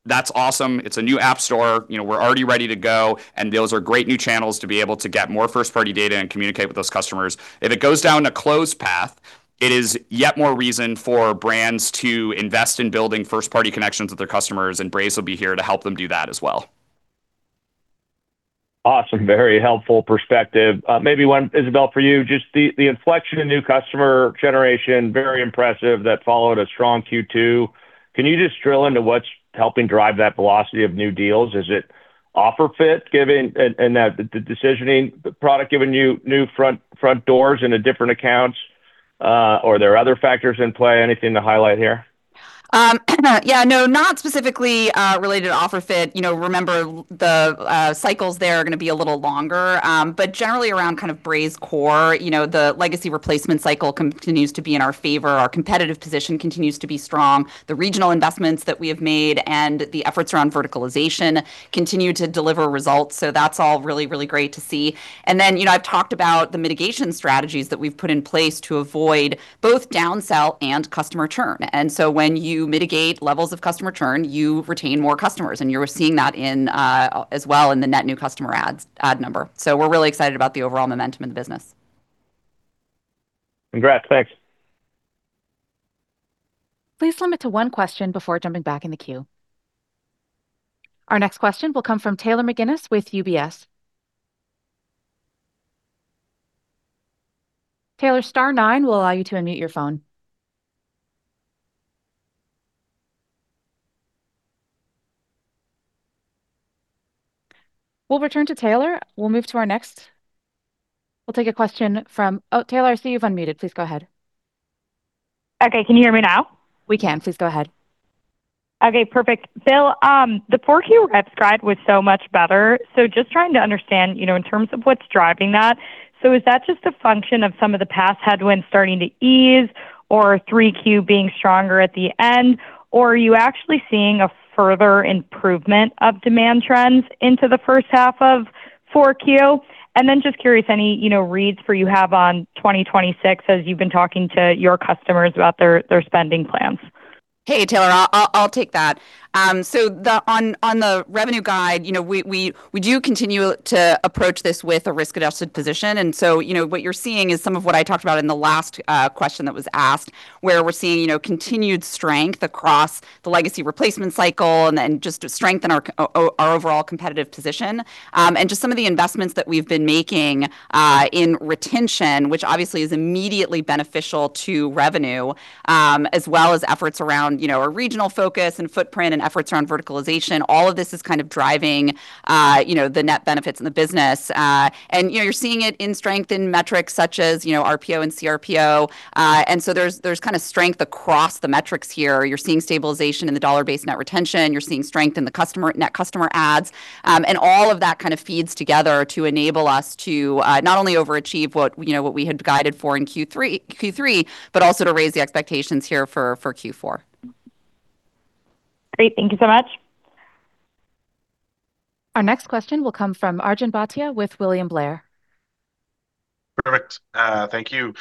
that's awesome. It's a new app store. We're already ready to go. And those are great new channels to be able to get more first-party data and communicate with those customers. If it goes down a closed path, it is yet more reason for brands to invest in building first-party connections with their customers. And Braze will be here to help them do that as well.
Awesome. Very helpful perspective. Maybe one, Isabelle, for you. Just the inflection in new customer generation, very impressive that followed a strong Q2. Can you just drill into what's helping drive that velocity of new deals? Is it OfferFit and the decisioning product giving you new front doors and different accounts? Or are there other factors in play? Anything to highlight here?
Yeah, no, not specifically related to OfferFit. Remember, the cycles there are going to be a little longer. But generally around kind of Braze core, the legacy replacement cycle continues to be in our favor. Our competitive position continues to be strong. The regional investments that we have made and the efforts around verticalization continue to deliver results. So that's all really, really great to see. And then I've talked about the mitigation strategies that we've put in place to avoid both downsell and customer churn. And so when you mitigate levels of customer churn, you retain more customers. And you're seeing that as well in the net new customer add number. So we're really excited about the overall momentum in the business.
Congrats. Thanks.
Please limit to one question before jumping back in the queue. Our next question will come from Taylor McGinnis with UBS. Taylor, star nine will allow you to unmute your phone. We'll return to Taylor. We'll move to our next. We'll take a question from, oh, Taylor, I see you've unmuted. Please go ahead.
Okay. Can you hear me now?
We can. Please go ahead.
Okay. Perfect. Bill, the Q4 RPO was so much better. So just trying to understand in terms of what's driving that. So is that just a function of some of the past headwinds starting to ease or Q3 being stronger at the end? Or are you actually seeing a further improvement of demand trends into the first half of Q4? And then just curious, any reads you have on 2026 as you've been talking to your customers about their spending plans?
Hey, Taylor, I'll take that. So on the revenue guide, we do continue to approach this with a risk-adjusted position. And so what you're seeing is some of what I talked about in the last question that was asked, where we're seeing continued strength across the legacy replacement cycle and just strengthen our overall competitive position. And just some of the investments that we've been making in retention, which obviously is immediately beneficial to revenue, as well as efforts around a regional focus and footprint and efforts around verticalization, all of this is kind of driving the net benefits in the business. And you're seeing it in strength in metrics such as RPO and CRPO. And so there's kind of strength across the metrics here. You're seeing stabilization in the dollar-based net retention. You're seeing strength in the net customer adds. And all of that kind of feeds together to enable us to not only overachieve what we had guided for in Q3, but also to raise the expectations here for Q4.
Great. Thank you so much.
Our next question will come from Arjun Bhatia with William Blair.
Perfect. Thank you.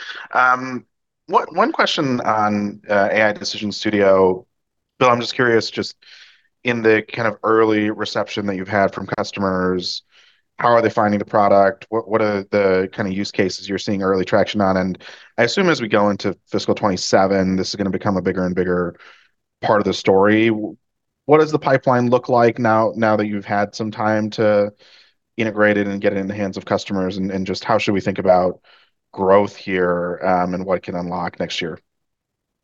One question on AI Decisioning Studio. Bill, I'm just curious, just in the kind of early reception that you've had from customers, how are they finding the product? What are the kind of use cases you're seeing early traction on? And I assume as we go into fiscal 2027, this is going to become a bigger and bigger part of the story. What does the pipeline look like now that you've had some time to integrate it and get it in the hands of customers? And just how should we think about growth here and what can unlock next year?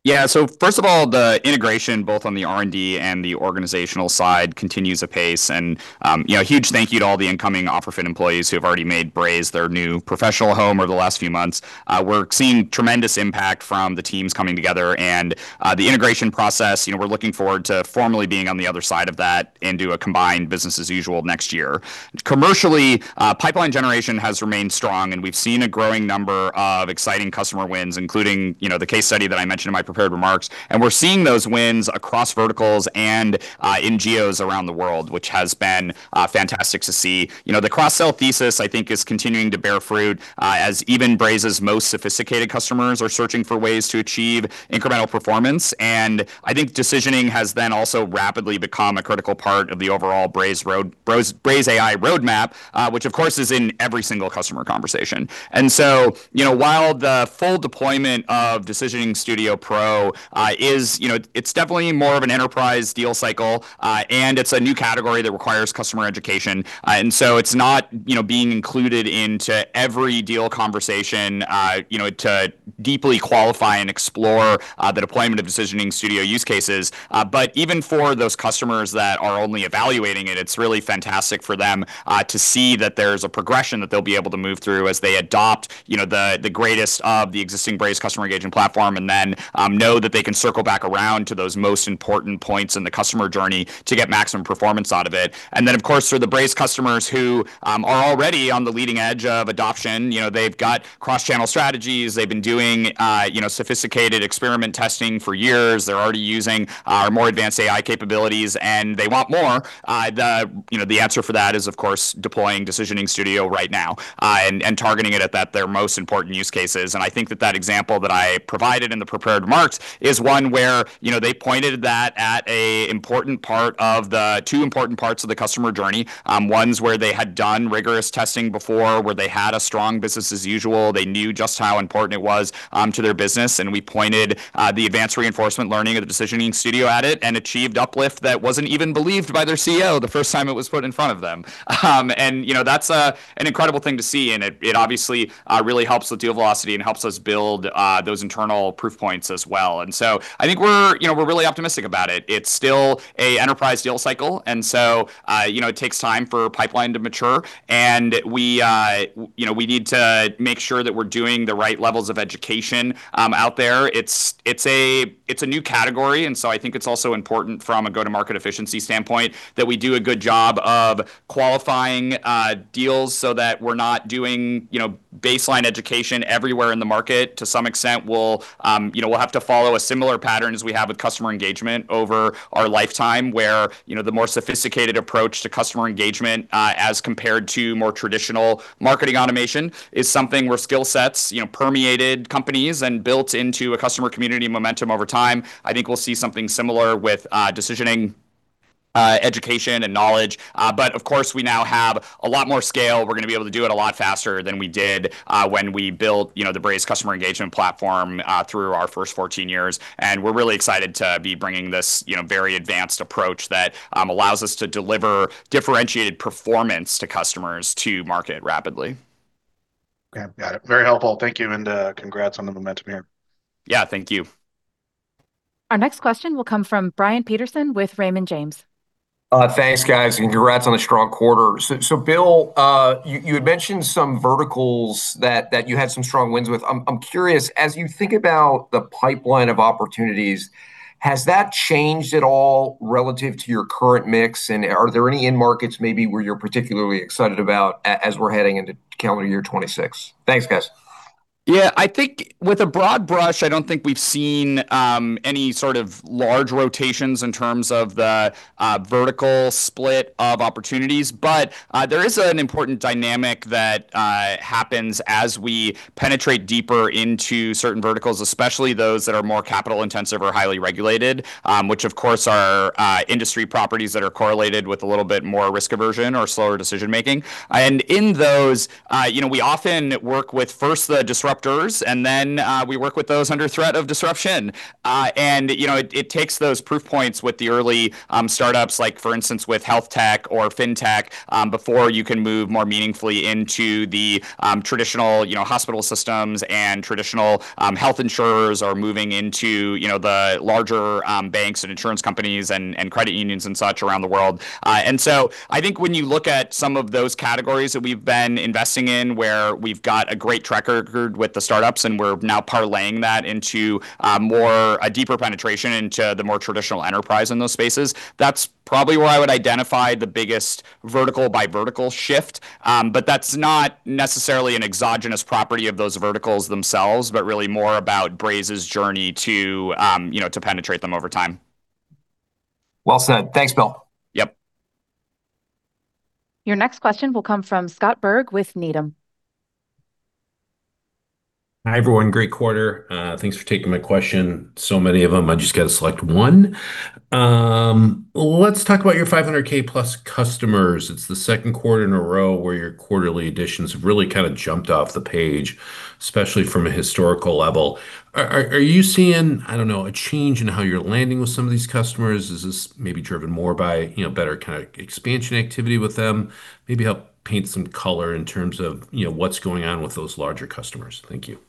Yeah. So first of all, the integration both on the R&D and the organizational side continues apace. And a huge thank you to all the incoming OfferFit employees who have already made Braze their new professional home over the last few months. We're seeing tremendous impact from the teams coming together. And the integration process, we're looking forward to formally being on the other side of that and do a combined business as usual next year. Commercially, pipeline generation has remained strong, and we've seen a growing number of exciting customer wins, including the case study that I mentioned in my prepared remarks. And we're seeing those wins across verticals and in geos around the world, which has been fantastic to see. The cross-sell thesis, I think, is continuing to bear fruit as even Braze's most sophisticated customers are searching for ways to achieve incremental performance. I think decisioning has then also rapidly become a critical part of the overall Braze AI roadmap, which, of course, is in every single customer conversation. So while the full deployment of Decisioning Studio Pro, it's definitely more of an enterprise deal cycle, and it's a new category that requires customer education. So it's not being included into every deal conversation to deeply qualify and explore the deployment of Decisioning Studio use cases. But even for those customers that are only evaluating it, it's really fantastic for them to see that there's a progression that they'll be able to move through as they adopt the rest of the existing Braze Customer Engagement Platform and then know that they can circle back around to those most important points in the customer journey to get maximum performance out of it. Then, of course, for the Braze customers who are already on the leading edge of adoption, they've got cross-channel strategies. They've been doing sophisticated experiment testing for years. They're already using our more advanced AI capabilities, and they want more. The answer for that is, of course, deploying Decisioning Studio right now and targeting it at their most important use cases. I think that that example that I provided in the prepared remarks is one where they pointed that at two important parts of the customer journey. Ones where they had done rigorous testing before, where they had a strong business as usual. They knew just how important it was to their business. We pointed the advanced reinforcement learning of the Decisioning Studio at it and achieved uplift that wasn't even believed by their CEO the first time it was put in front of them. That's an incredible thing to see. It obviously really helps with deal velocity and helps us build those internal proof points as well. So I think we're really optimistic about it. It's still an enterprise deal cycle. So it takes time for pipeline to mature. We need to make sure that we're doing the right levels of education out there. It's a new category. So I think it's also important from a go-to-market efficiency standpoint that we do a good job of qualifying deals so that we're not doing baseline education everywhere in the market. To some extent, we'll have to follow a similar pattern as we have with customer engagement over our lifetime, where the more sophisticated approach to customer engagement as compared to more traditional marketing automation is something where skill sets permeated companies and built into a customer community momentum over time. I think we'll see something similar with decisioning education and knowledge. But of course, we now have a lot more scale. We're going to be able to do it a lot faster than we did when we built the Braze customer engagement platform through our first 14 years. And we're really excited to be bringing this very advanced approach that allows us to deliver differentiated performance to customers to market rapidly.
Okay. Got it. Very helpful. Thank you. And congrats on the momentum here.
Yeah. Thank you.
Our next question will come from Brian Peterson with Raymond James.
Thanks, guys. Congrats on the strong quarter. So, Bill, you had mentioned some verticals that you had some strong wins with. I'm curious, as you think about the pipeline of opportunities, has that changed at all relative to your current mix? And are there any in markets maybe where you're particularly excited about as we're heading into calendar year 2026? Thanks, guys.
Yeah. I think with a broad brush, I don't think we've seen any sort of large rotations in terms of the vertical split of opportunities. But there is an important dynamic that happens as we penetrate deeper into certain verticals, especially those that are more capital-intensive or highly regulated, which, of course, are industry properties that are correlated with a little bit more risk aversion or slower decision-making. And in those, we often work with first the disruptors, and then we work with those under threat of disruption. It takes those proof points with the early startups, like for instance, with health tech or fintech, before you can move more meaningfully into the traditional hospital systems and traditional health insurers or moving into the larger banks and insurance companies and credit unions and such around the world. And so I think when you look at some of those categories that we've been investing in, where we've got a great traction with the startups and we're now parlaying that into a deeper penetration into the more traditional enterprise in those spaces, that's probably where I would identify the biggest vertical-by-vertical shift. But that's not necessarily an exogenous property of those verticals themselves, but really more about Braze's journey to penetrate them over time.
Well said. Thanks, Bill.
Yep.
Your next question will come from Scott Berg with Needham.
Hi everyone. Great quarter. Thanks for taking my question. So many of them, I just got to select one. Let's talk about your 500K plus customers. It's the second quarter in a row where your quarterly additions have really kind of jumped off the page, especially from a historical level. Are you seeing, I don't know, a change in how you're landing with some of these customers? Is this maybe driven more by better kind of expansion activity with them? Maybe help paint some color in terms of what's going on with those larger customers? Thank you.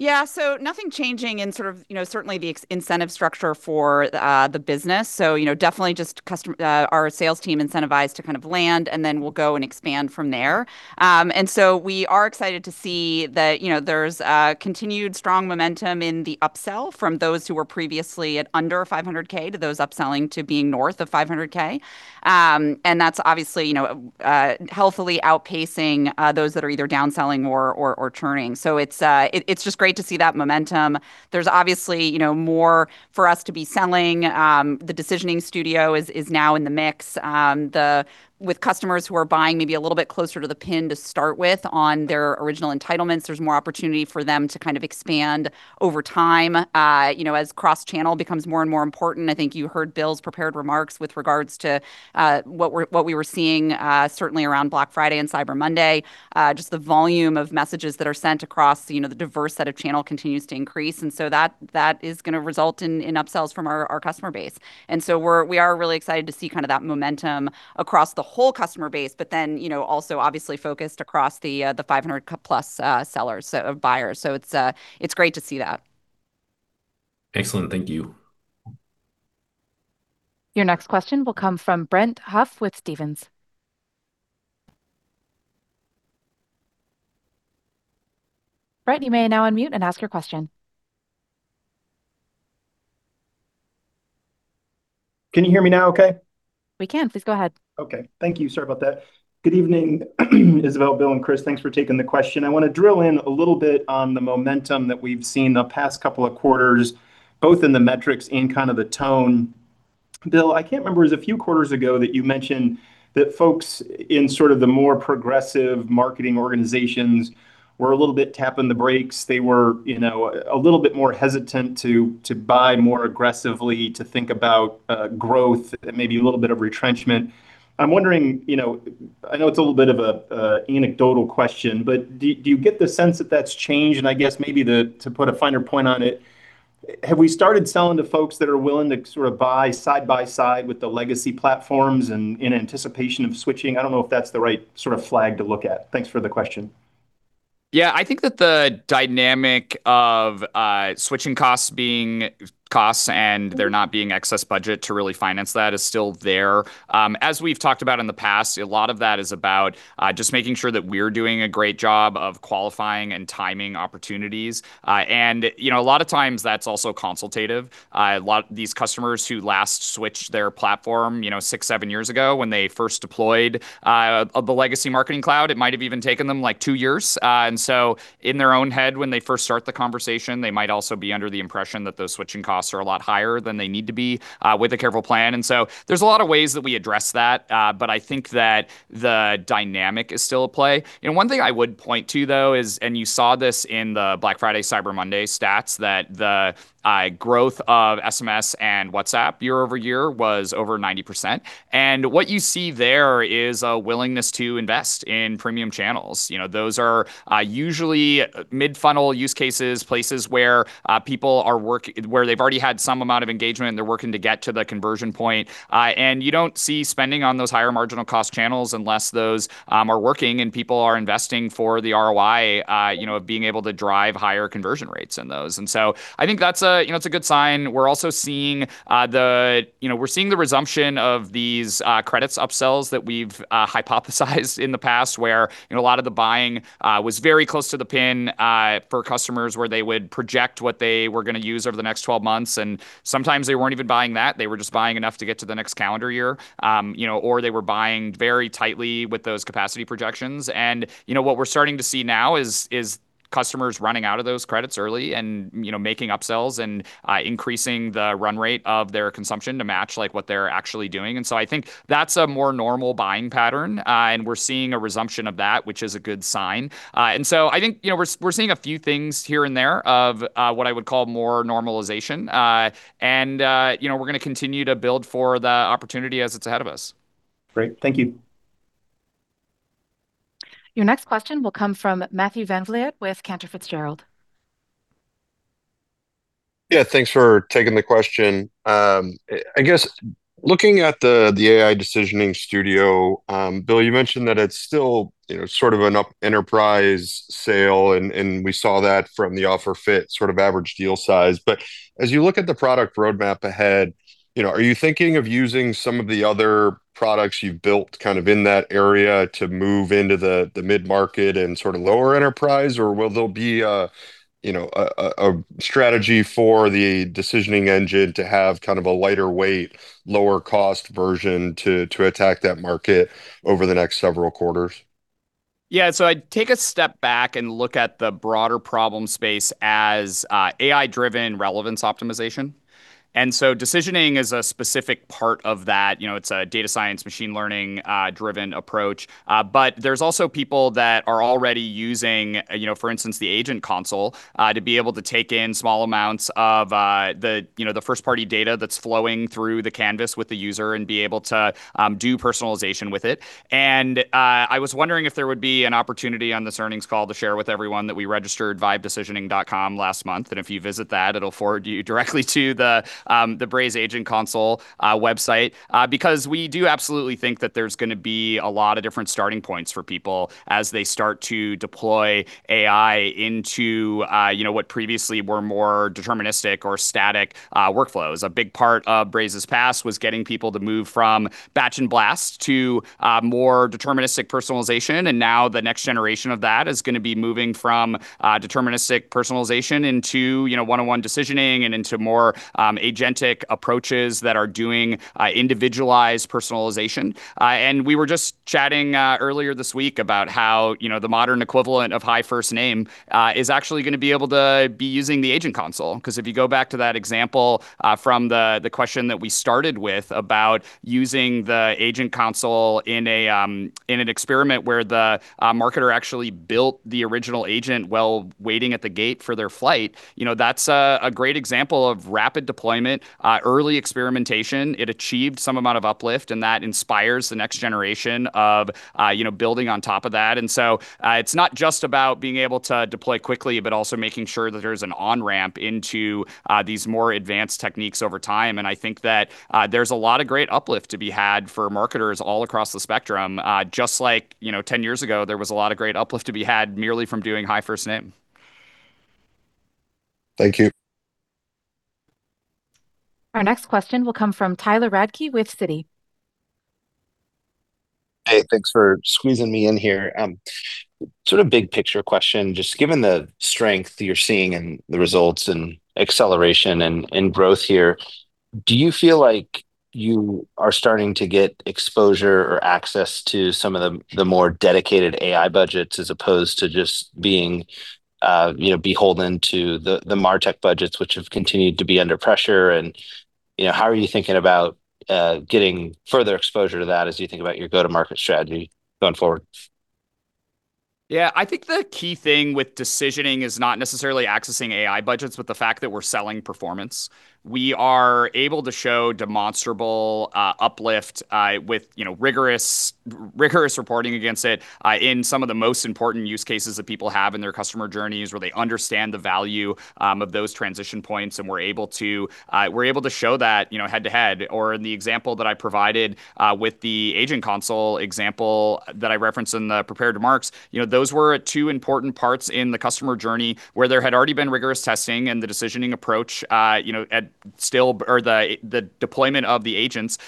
Yeah. So nothing changing in sort of certainly the incentive structure for the business. So definitely just our sales team incentivized to kind of land, and then we'll go and expand from there. And so we are excited to see that there's continued strong momentum in the upsell from those who were previously at under 500K to those upselling to being north of 500K. And that's obviously healthily outpacing those that are either downselling or churning. So it's just great to see that momentum. There's obviously more for us to be selling. The Decisioning Studio is now in the mix with customers who are buying maybe a little bit closer to the pin to start with on their original entitlements. There's more opportunity for them to kind of expand over time as cross-channel becomes more and more important. I think you heard Bill's prepared remarks with regards to what we were seeing certainly around Black Friday and Cyber Monday. Just the volume of messages that are sent across the diverse set of channels continues to increase. And so that is going to result in upsells from our customer base. And so we are really excited to see kind of that momentum across the whole customer base, but then also obviously focused across the 500-plus sellers, so buyers. So it's great to see that.
Excellent. Thank you.
Your next question will come from Brett Huff with Stephens. Brent, you may now unmute and ask your question.
Can you hear me now, okay?
We can. Please go ahead.
Okay. Thank you, sir, about that. Good evening, Isabelle, Bill, and Chris. Thanks for taking the question. I want to drill in a little bit on the momentum that we've seen the past couple of quarters, both in the metrics and kind of the tone. Bill, I can't remember, it was a few quarters ago that you mentioned that folks in sort of the more progressive marketing organizations were a little bit tapping the brakes. They were a little bit more hesitant to buy more aggressively, to think about growth, maybe a little bit of retrenchment. I'm wondering, I know it's a little bit of an anecdotal question, but do you get the sense that that's changed? And I guess maybe to put a finer point on it, have we started selling to folks that are willing to sort of buy side by side with the legacy platforms in anticipation of switching? I don't know if that's the right sort of flag to look at. Thanks for the question.
Yeah. I think that the dynamic of switching costs being costs and there not being excess budget to really finance that is still there. As we've talked about in the past, a lot of that is about just making sure that we're doing a great job of qualifying and timing opportunities. And a lot of times that's also consultative. These customers who last switched their platform six, seven years ago when they first deployed the legacy marketing cloud, it might have even taken them like two years. And so in their own head, when they first start the conversation, they might also be under the impression that those switching costs are a lot higher than they need to be with a careful plan. And so there's a lot of ways that we address that, but I think that the dynamic is still at play. One thing I would point to, though, is, and you saw this in the Black Friday, Cyber Monday stats that the growth of SMS and WhatsApp year-over-year was over 90%. And what you see there is a willingness to invest in premium channels. Those are usually mid-funnel use cases, places where people are working, where they've already had some amount of engagement, and they're working to get to the conversion point. And you don't see spending on those higher marginal cost channels unless those are working and people are investing for the ROI of being able to drive higher conversion rates in those. And so I think that's a good sign. We're seeing the resumption of these credits upsells that we've hypothesized in the past, where a lot of the buying was very close to the pin for customers where they would project what they were going to use over the next 12 months. And sometimes they weren't even buying that. They were just buying enough to get to the next calendar year, or they were buying very tightly with those capacity projections. And what we're starting to see now is customers running out of those credits early and making upsells and increasing the run rate of their consumption to match what they're actually doing. And so I think that's a more normal buying pattern. And we're seeing a resumption of that, which is a good sign. And so I think we're seeing a few things here and there of what I would call more normalization. And we're going to continue to build for the opportunity as it's ahead of us.
Great. Thank you.
Your next question will come from Matthew Van Vliet with Cantor Fitzgerald.
Yeah. Thanks for taking the question. I guess looking at the AI Decisioning Studio, Bill, you mentioned that it's still sort of an enterprise sale, and we saw that from the OfferFit sort of average deal size. But as you look at the product roadmap ahead, are you thinking of using some of the other products you've built kind of in that area to move into the mid-market and sort of lower enterprise, or will there be a strategy for the Decisioning Engine to have kind of a lighter weight, lower cost version to attack that market over the next several quarters?
Yeah. So I'd take a step back and look at the broader problem space as AI-driven relevance optimization. And so Decisioning is a specific part of that. It's a data science, machine learning-driven approach. But there's also people that are already using, for instance, the Agent Console to be able to take in small amounts of the first-party data that's flowing through the Canvas with the user and be able to do personalization with it. And I was wondering if there would be an opportunity on this earnings call to share with everyone that we registered vibedecisioning.com last month. And if you visit that, it'll forward you directly to the Braze Agent Console website. Because we do absolutely think that there's going to be a lot of different starting points for people as they start to deploy AI into what previously were more deterministic or static workflows. A big part of Braze's past was getting people to move from batch and blast to more deterministic personalization. And now the next generation of that is going to be moving from deterministic personalization into one-on-one decisioning and into more agentic approaches that are doing individualized personalization. And we were just chatting earlier this week about how the modern equivalent of HiFirstName is actually going to be able to be using the Agent Console. Because if you go back to that example from the question that we started with about using the Agent Console in an experiment where the marketer actually built the original agent while waiting at the gate for their flight, that's a great example of rapid deployment, early experimentation. It achieved some amount of uplift, and that inspires the next generation of building on top of that. And so it's not just about being able to deploy quickly, but also making sure that there's an on-ramp into these more advanced techniques over time. And I think that there's a lot of great uplift to be had for marketers all across the spectrum, just like 10 years ago, there was a lot of great uplift to be had merely from doing HiFirstName.
Thank you.
Our next question will come from Tyler Radke with Citi.
Hey, thanks for squeezing me in here. Sort of big picture question. Just given the strength you're seeing in the results and acceleration and growth here, do you feel like you are starting to get exposure or access to some of the more dedicated AI budgets as opposed to just being beholden to the MarTech budgets, which have continued to be under pressure? And how are you thinking about getting further exposure to that as you think about your go-to-market strategy going forward?
Yeah. I think the key thing with Decisioning is not necessarily accessing AI budgets, but the fact that we're selling performance. We are able to show demonstrable uplift with rigorous reporting against it in some of the most important use cases that people have in their customer journeys, where they understand the value of those transition points. And we're able to show that head-to-head. Or in the example that I provided with the agent console example that I referenced in the prepared remarks, those were two important parts in the customer journey where there had already been rigorous testing and the Decisioning approach still, or the deployment of the agents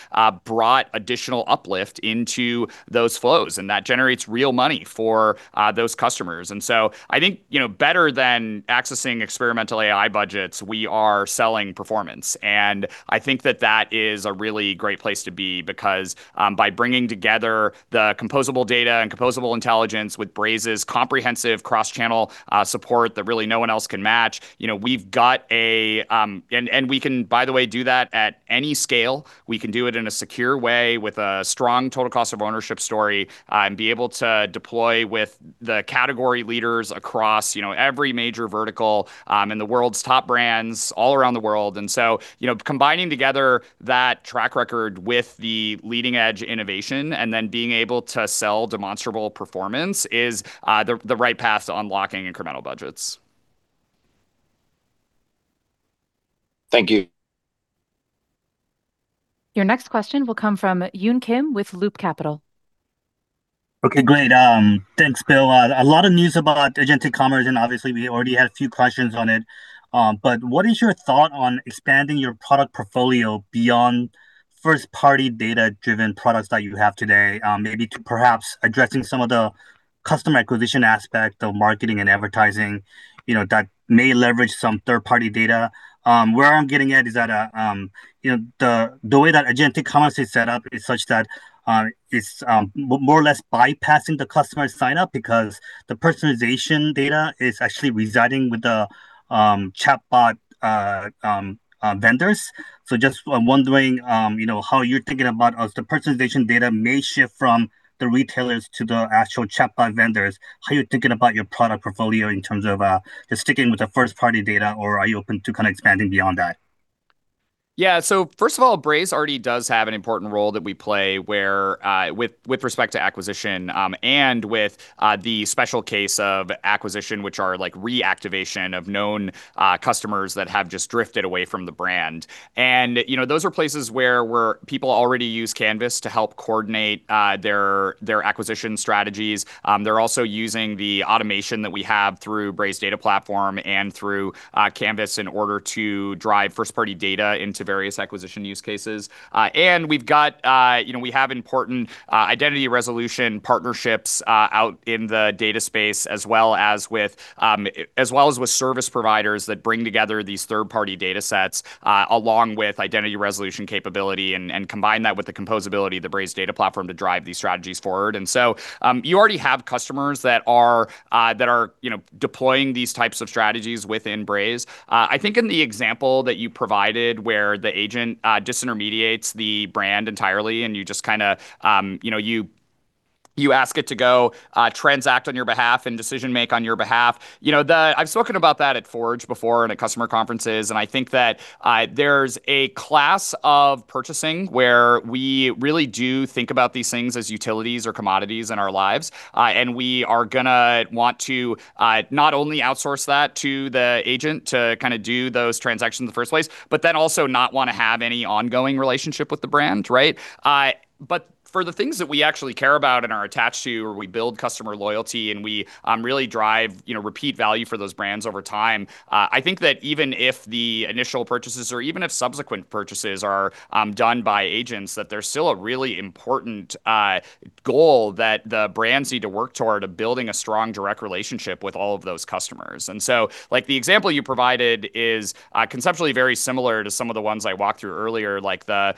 brought additional uplift into those flows. And that generates real money for those customers. And so, I think better than accessing experimental AI budgets, we are selling performance. And I think that that is a really great place to be because by bringing together the composable data and composable intelligence with Braze's comprehensive cross-channel support that really no one else can match, we've got a, and we can, by the way, do that at any scale. We can do it in a secure way with a strong total cost of ownership story and be able to deploy with the category leaders across every major vertical and the world's top brands all around the world. And so combining together that track record with the leading-edge innovation and then being able to sell demonstrable performance is the right path to unlocking incremental budgets.
Thank you.
Your next question will come from Yun Kim with Loop Capital.
Okay, great. Thanks, Bill. A lot of news about agentic commerce, and obviously, we already had a few questions on it. But what is your thought on expanding your product portfolio beyond first-party data-driven products that you have today, maybe perhaps addressing some of the customer acquisition aspect of marketing and advertising that may leverage some third-party data? Where I'm getting at is that the way that agentic commerce is set up is such that it's more or less bypassing the customer sign-up because the personalization data is actually residing with the chatbot vendors. So just wondering how you're thinking about as the personalization data may shift from the retailers to the actual chatbot vendors. How are you thinking about your product portfolio in terms of just sticking with the first-party data, or are you open to kind of expanding beyond that?
Yeah. First of all, Braze already does have an important role that we play with respect to acquisition and with the special case of acquisition, which are like reactivation of known customers that have just drifted away from the brand. Those are places where people already use Canvas to help coordinate their acquisition strategies. They're also using the automation that we have through Braze Data Platform and through Canvas in order to drive first-party data into various acquisition use cases. We have important identity resolution partnerships out in the data space as well as with service providers that bring together these third-party data sets along with identity resolution capability and combine that with the composability of the Braze Data Platform to drive these strategies forward. You already have customers that are deploying these types of strategies within Braze. I think in the example that you provided where the agent disintermediates the brand entirely and you just kind of, you ask it to go transact on your behalf and decision make on your behalf. I've spoken about that at Forge before and at customer conferences. And I think that there's a class of purchasing where we really do think about these things as utilities or commodities in our lives. And we are going to want to not only outsource that to the agent to kind of do those transactions in the first place, but then also not want to have any ongoing relationship with the brand, right? But for the things that we actually care about and are attached to, or we build customer loyalty and we really drive repeat value for those brands over time, I think that even if the initial purchases or even if subsequent purchases are done by agents, that there's still a really important goal that the brands need to work toward of building a strong direct relationship with all of those customers. And so the example you provided is conceptually very similar to some of the ones I walked through earlier, like the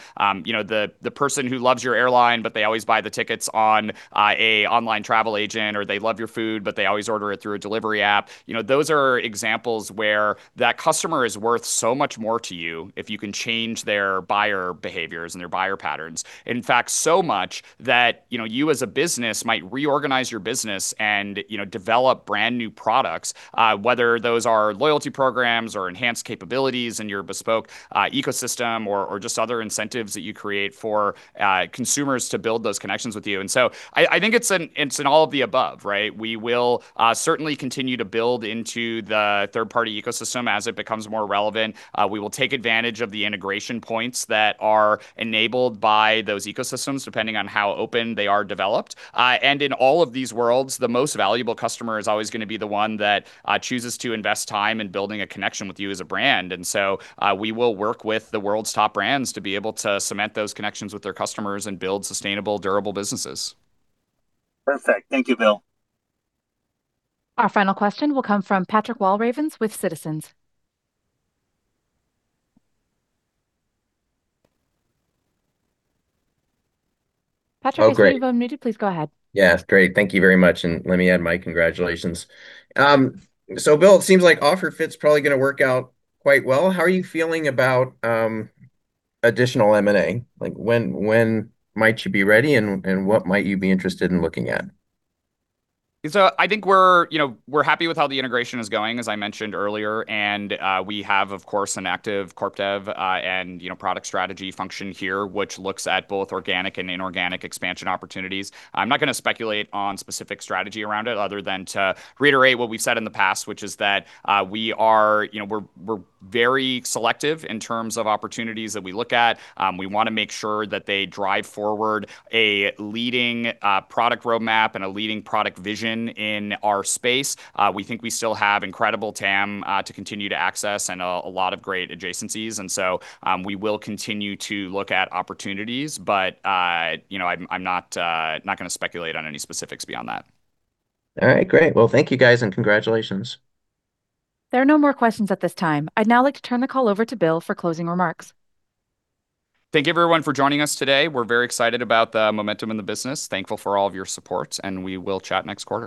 person who loves your airline, but they always buy the tickets on an online travel agent, or they love your food, but they always order it through a delivery app. Those are examples where that customer is worth so much more to you if you can change their buyer behaviors and their buyer patterns. In fact, so much that you as a business might reorganize your business and develop brand new products, whether those are loyalty programs or enhanced capabilities in your bespoke ecosystem or just other incentives that you create for consumers to build those connections with you. And so I think it's in all of the above, right? We will certainly continue to build into the third-party ecosystem as it becomes more relevant. We will take advantage of the integration points that are enabled by those ecosystems depending on how open they are developed. And in all of these worlds, the most valuable customer is always going to be the one that chooses to invest time in building a connection with you as a brand. And so we will work with the world's top brands to be able to cement those connections with their customers and build sustainable, durable businesses.
Perfect. Thank you, Bill.
Our final question will come from Patrick Walravens with Citizens. Patrick, if you've unmuted, please go ahead.
Yeah, great. Thank you very much. And let me add my congratulations. So Bill, it seems like OfferFit's probably going to work out quite well. How are you feeling about additional M&A? When might you be ready, and what might you be interested in looking at?
So I think we're happy with how the integration is going, as I mentioned earlier. And we have, of course, an active CorpDev and product strategy function here, which looks at both organic and inorganic expansion opportunities. I'm not going to speculate on specific strategy around it other than to reiterate what we've said in the past, which is that we're very selective in terms of opportunities that we look at. We want to make sure that they drive forward a leading product roadmap and a leading product vision in our space. We think we still have incredible TAM to continue to access and a lot of great adjacencies. And so we will continue to look at opportunities, but I'm not going to speculate on any specifics beyond that.
All right, great. Well, thank you guys and congratulations.
There are no more questions at this time. I'd now like to turn the call over to Bill for closing remarks. Thank you, everyone, for joining us today. We're very excited about the momentum in the business. Thankful for all of your support, and we will chat next quarter.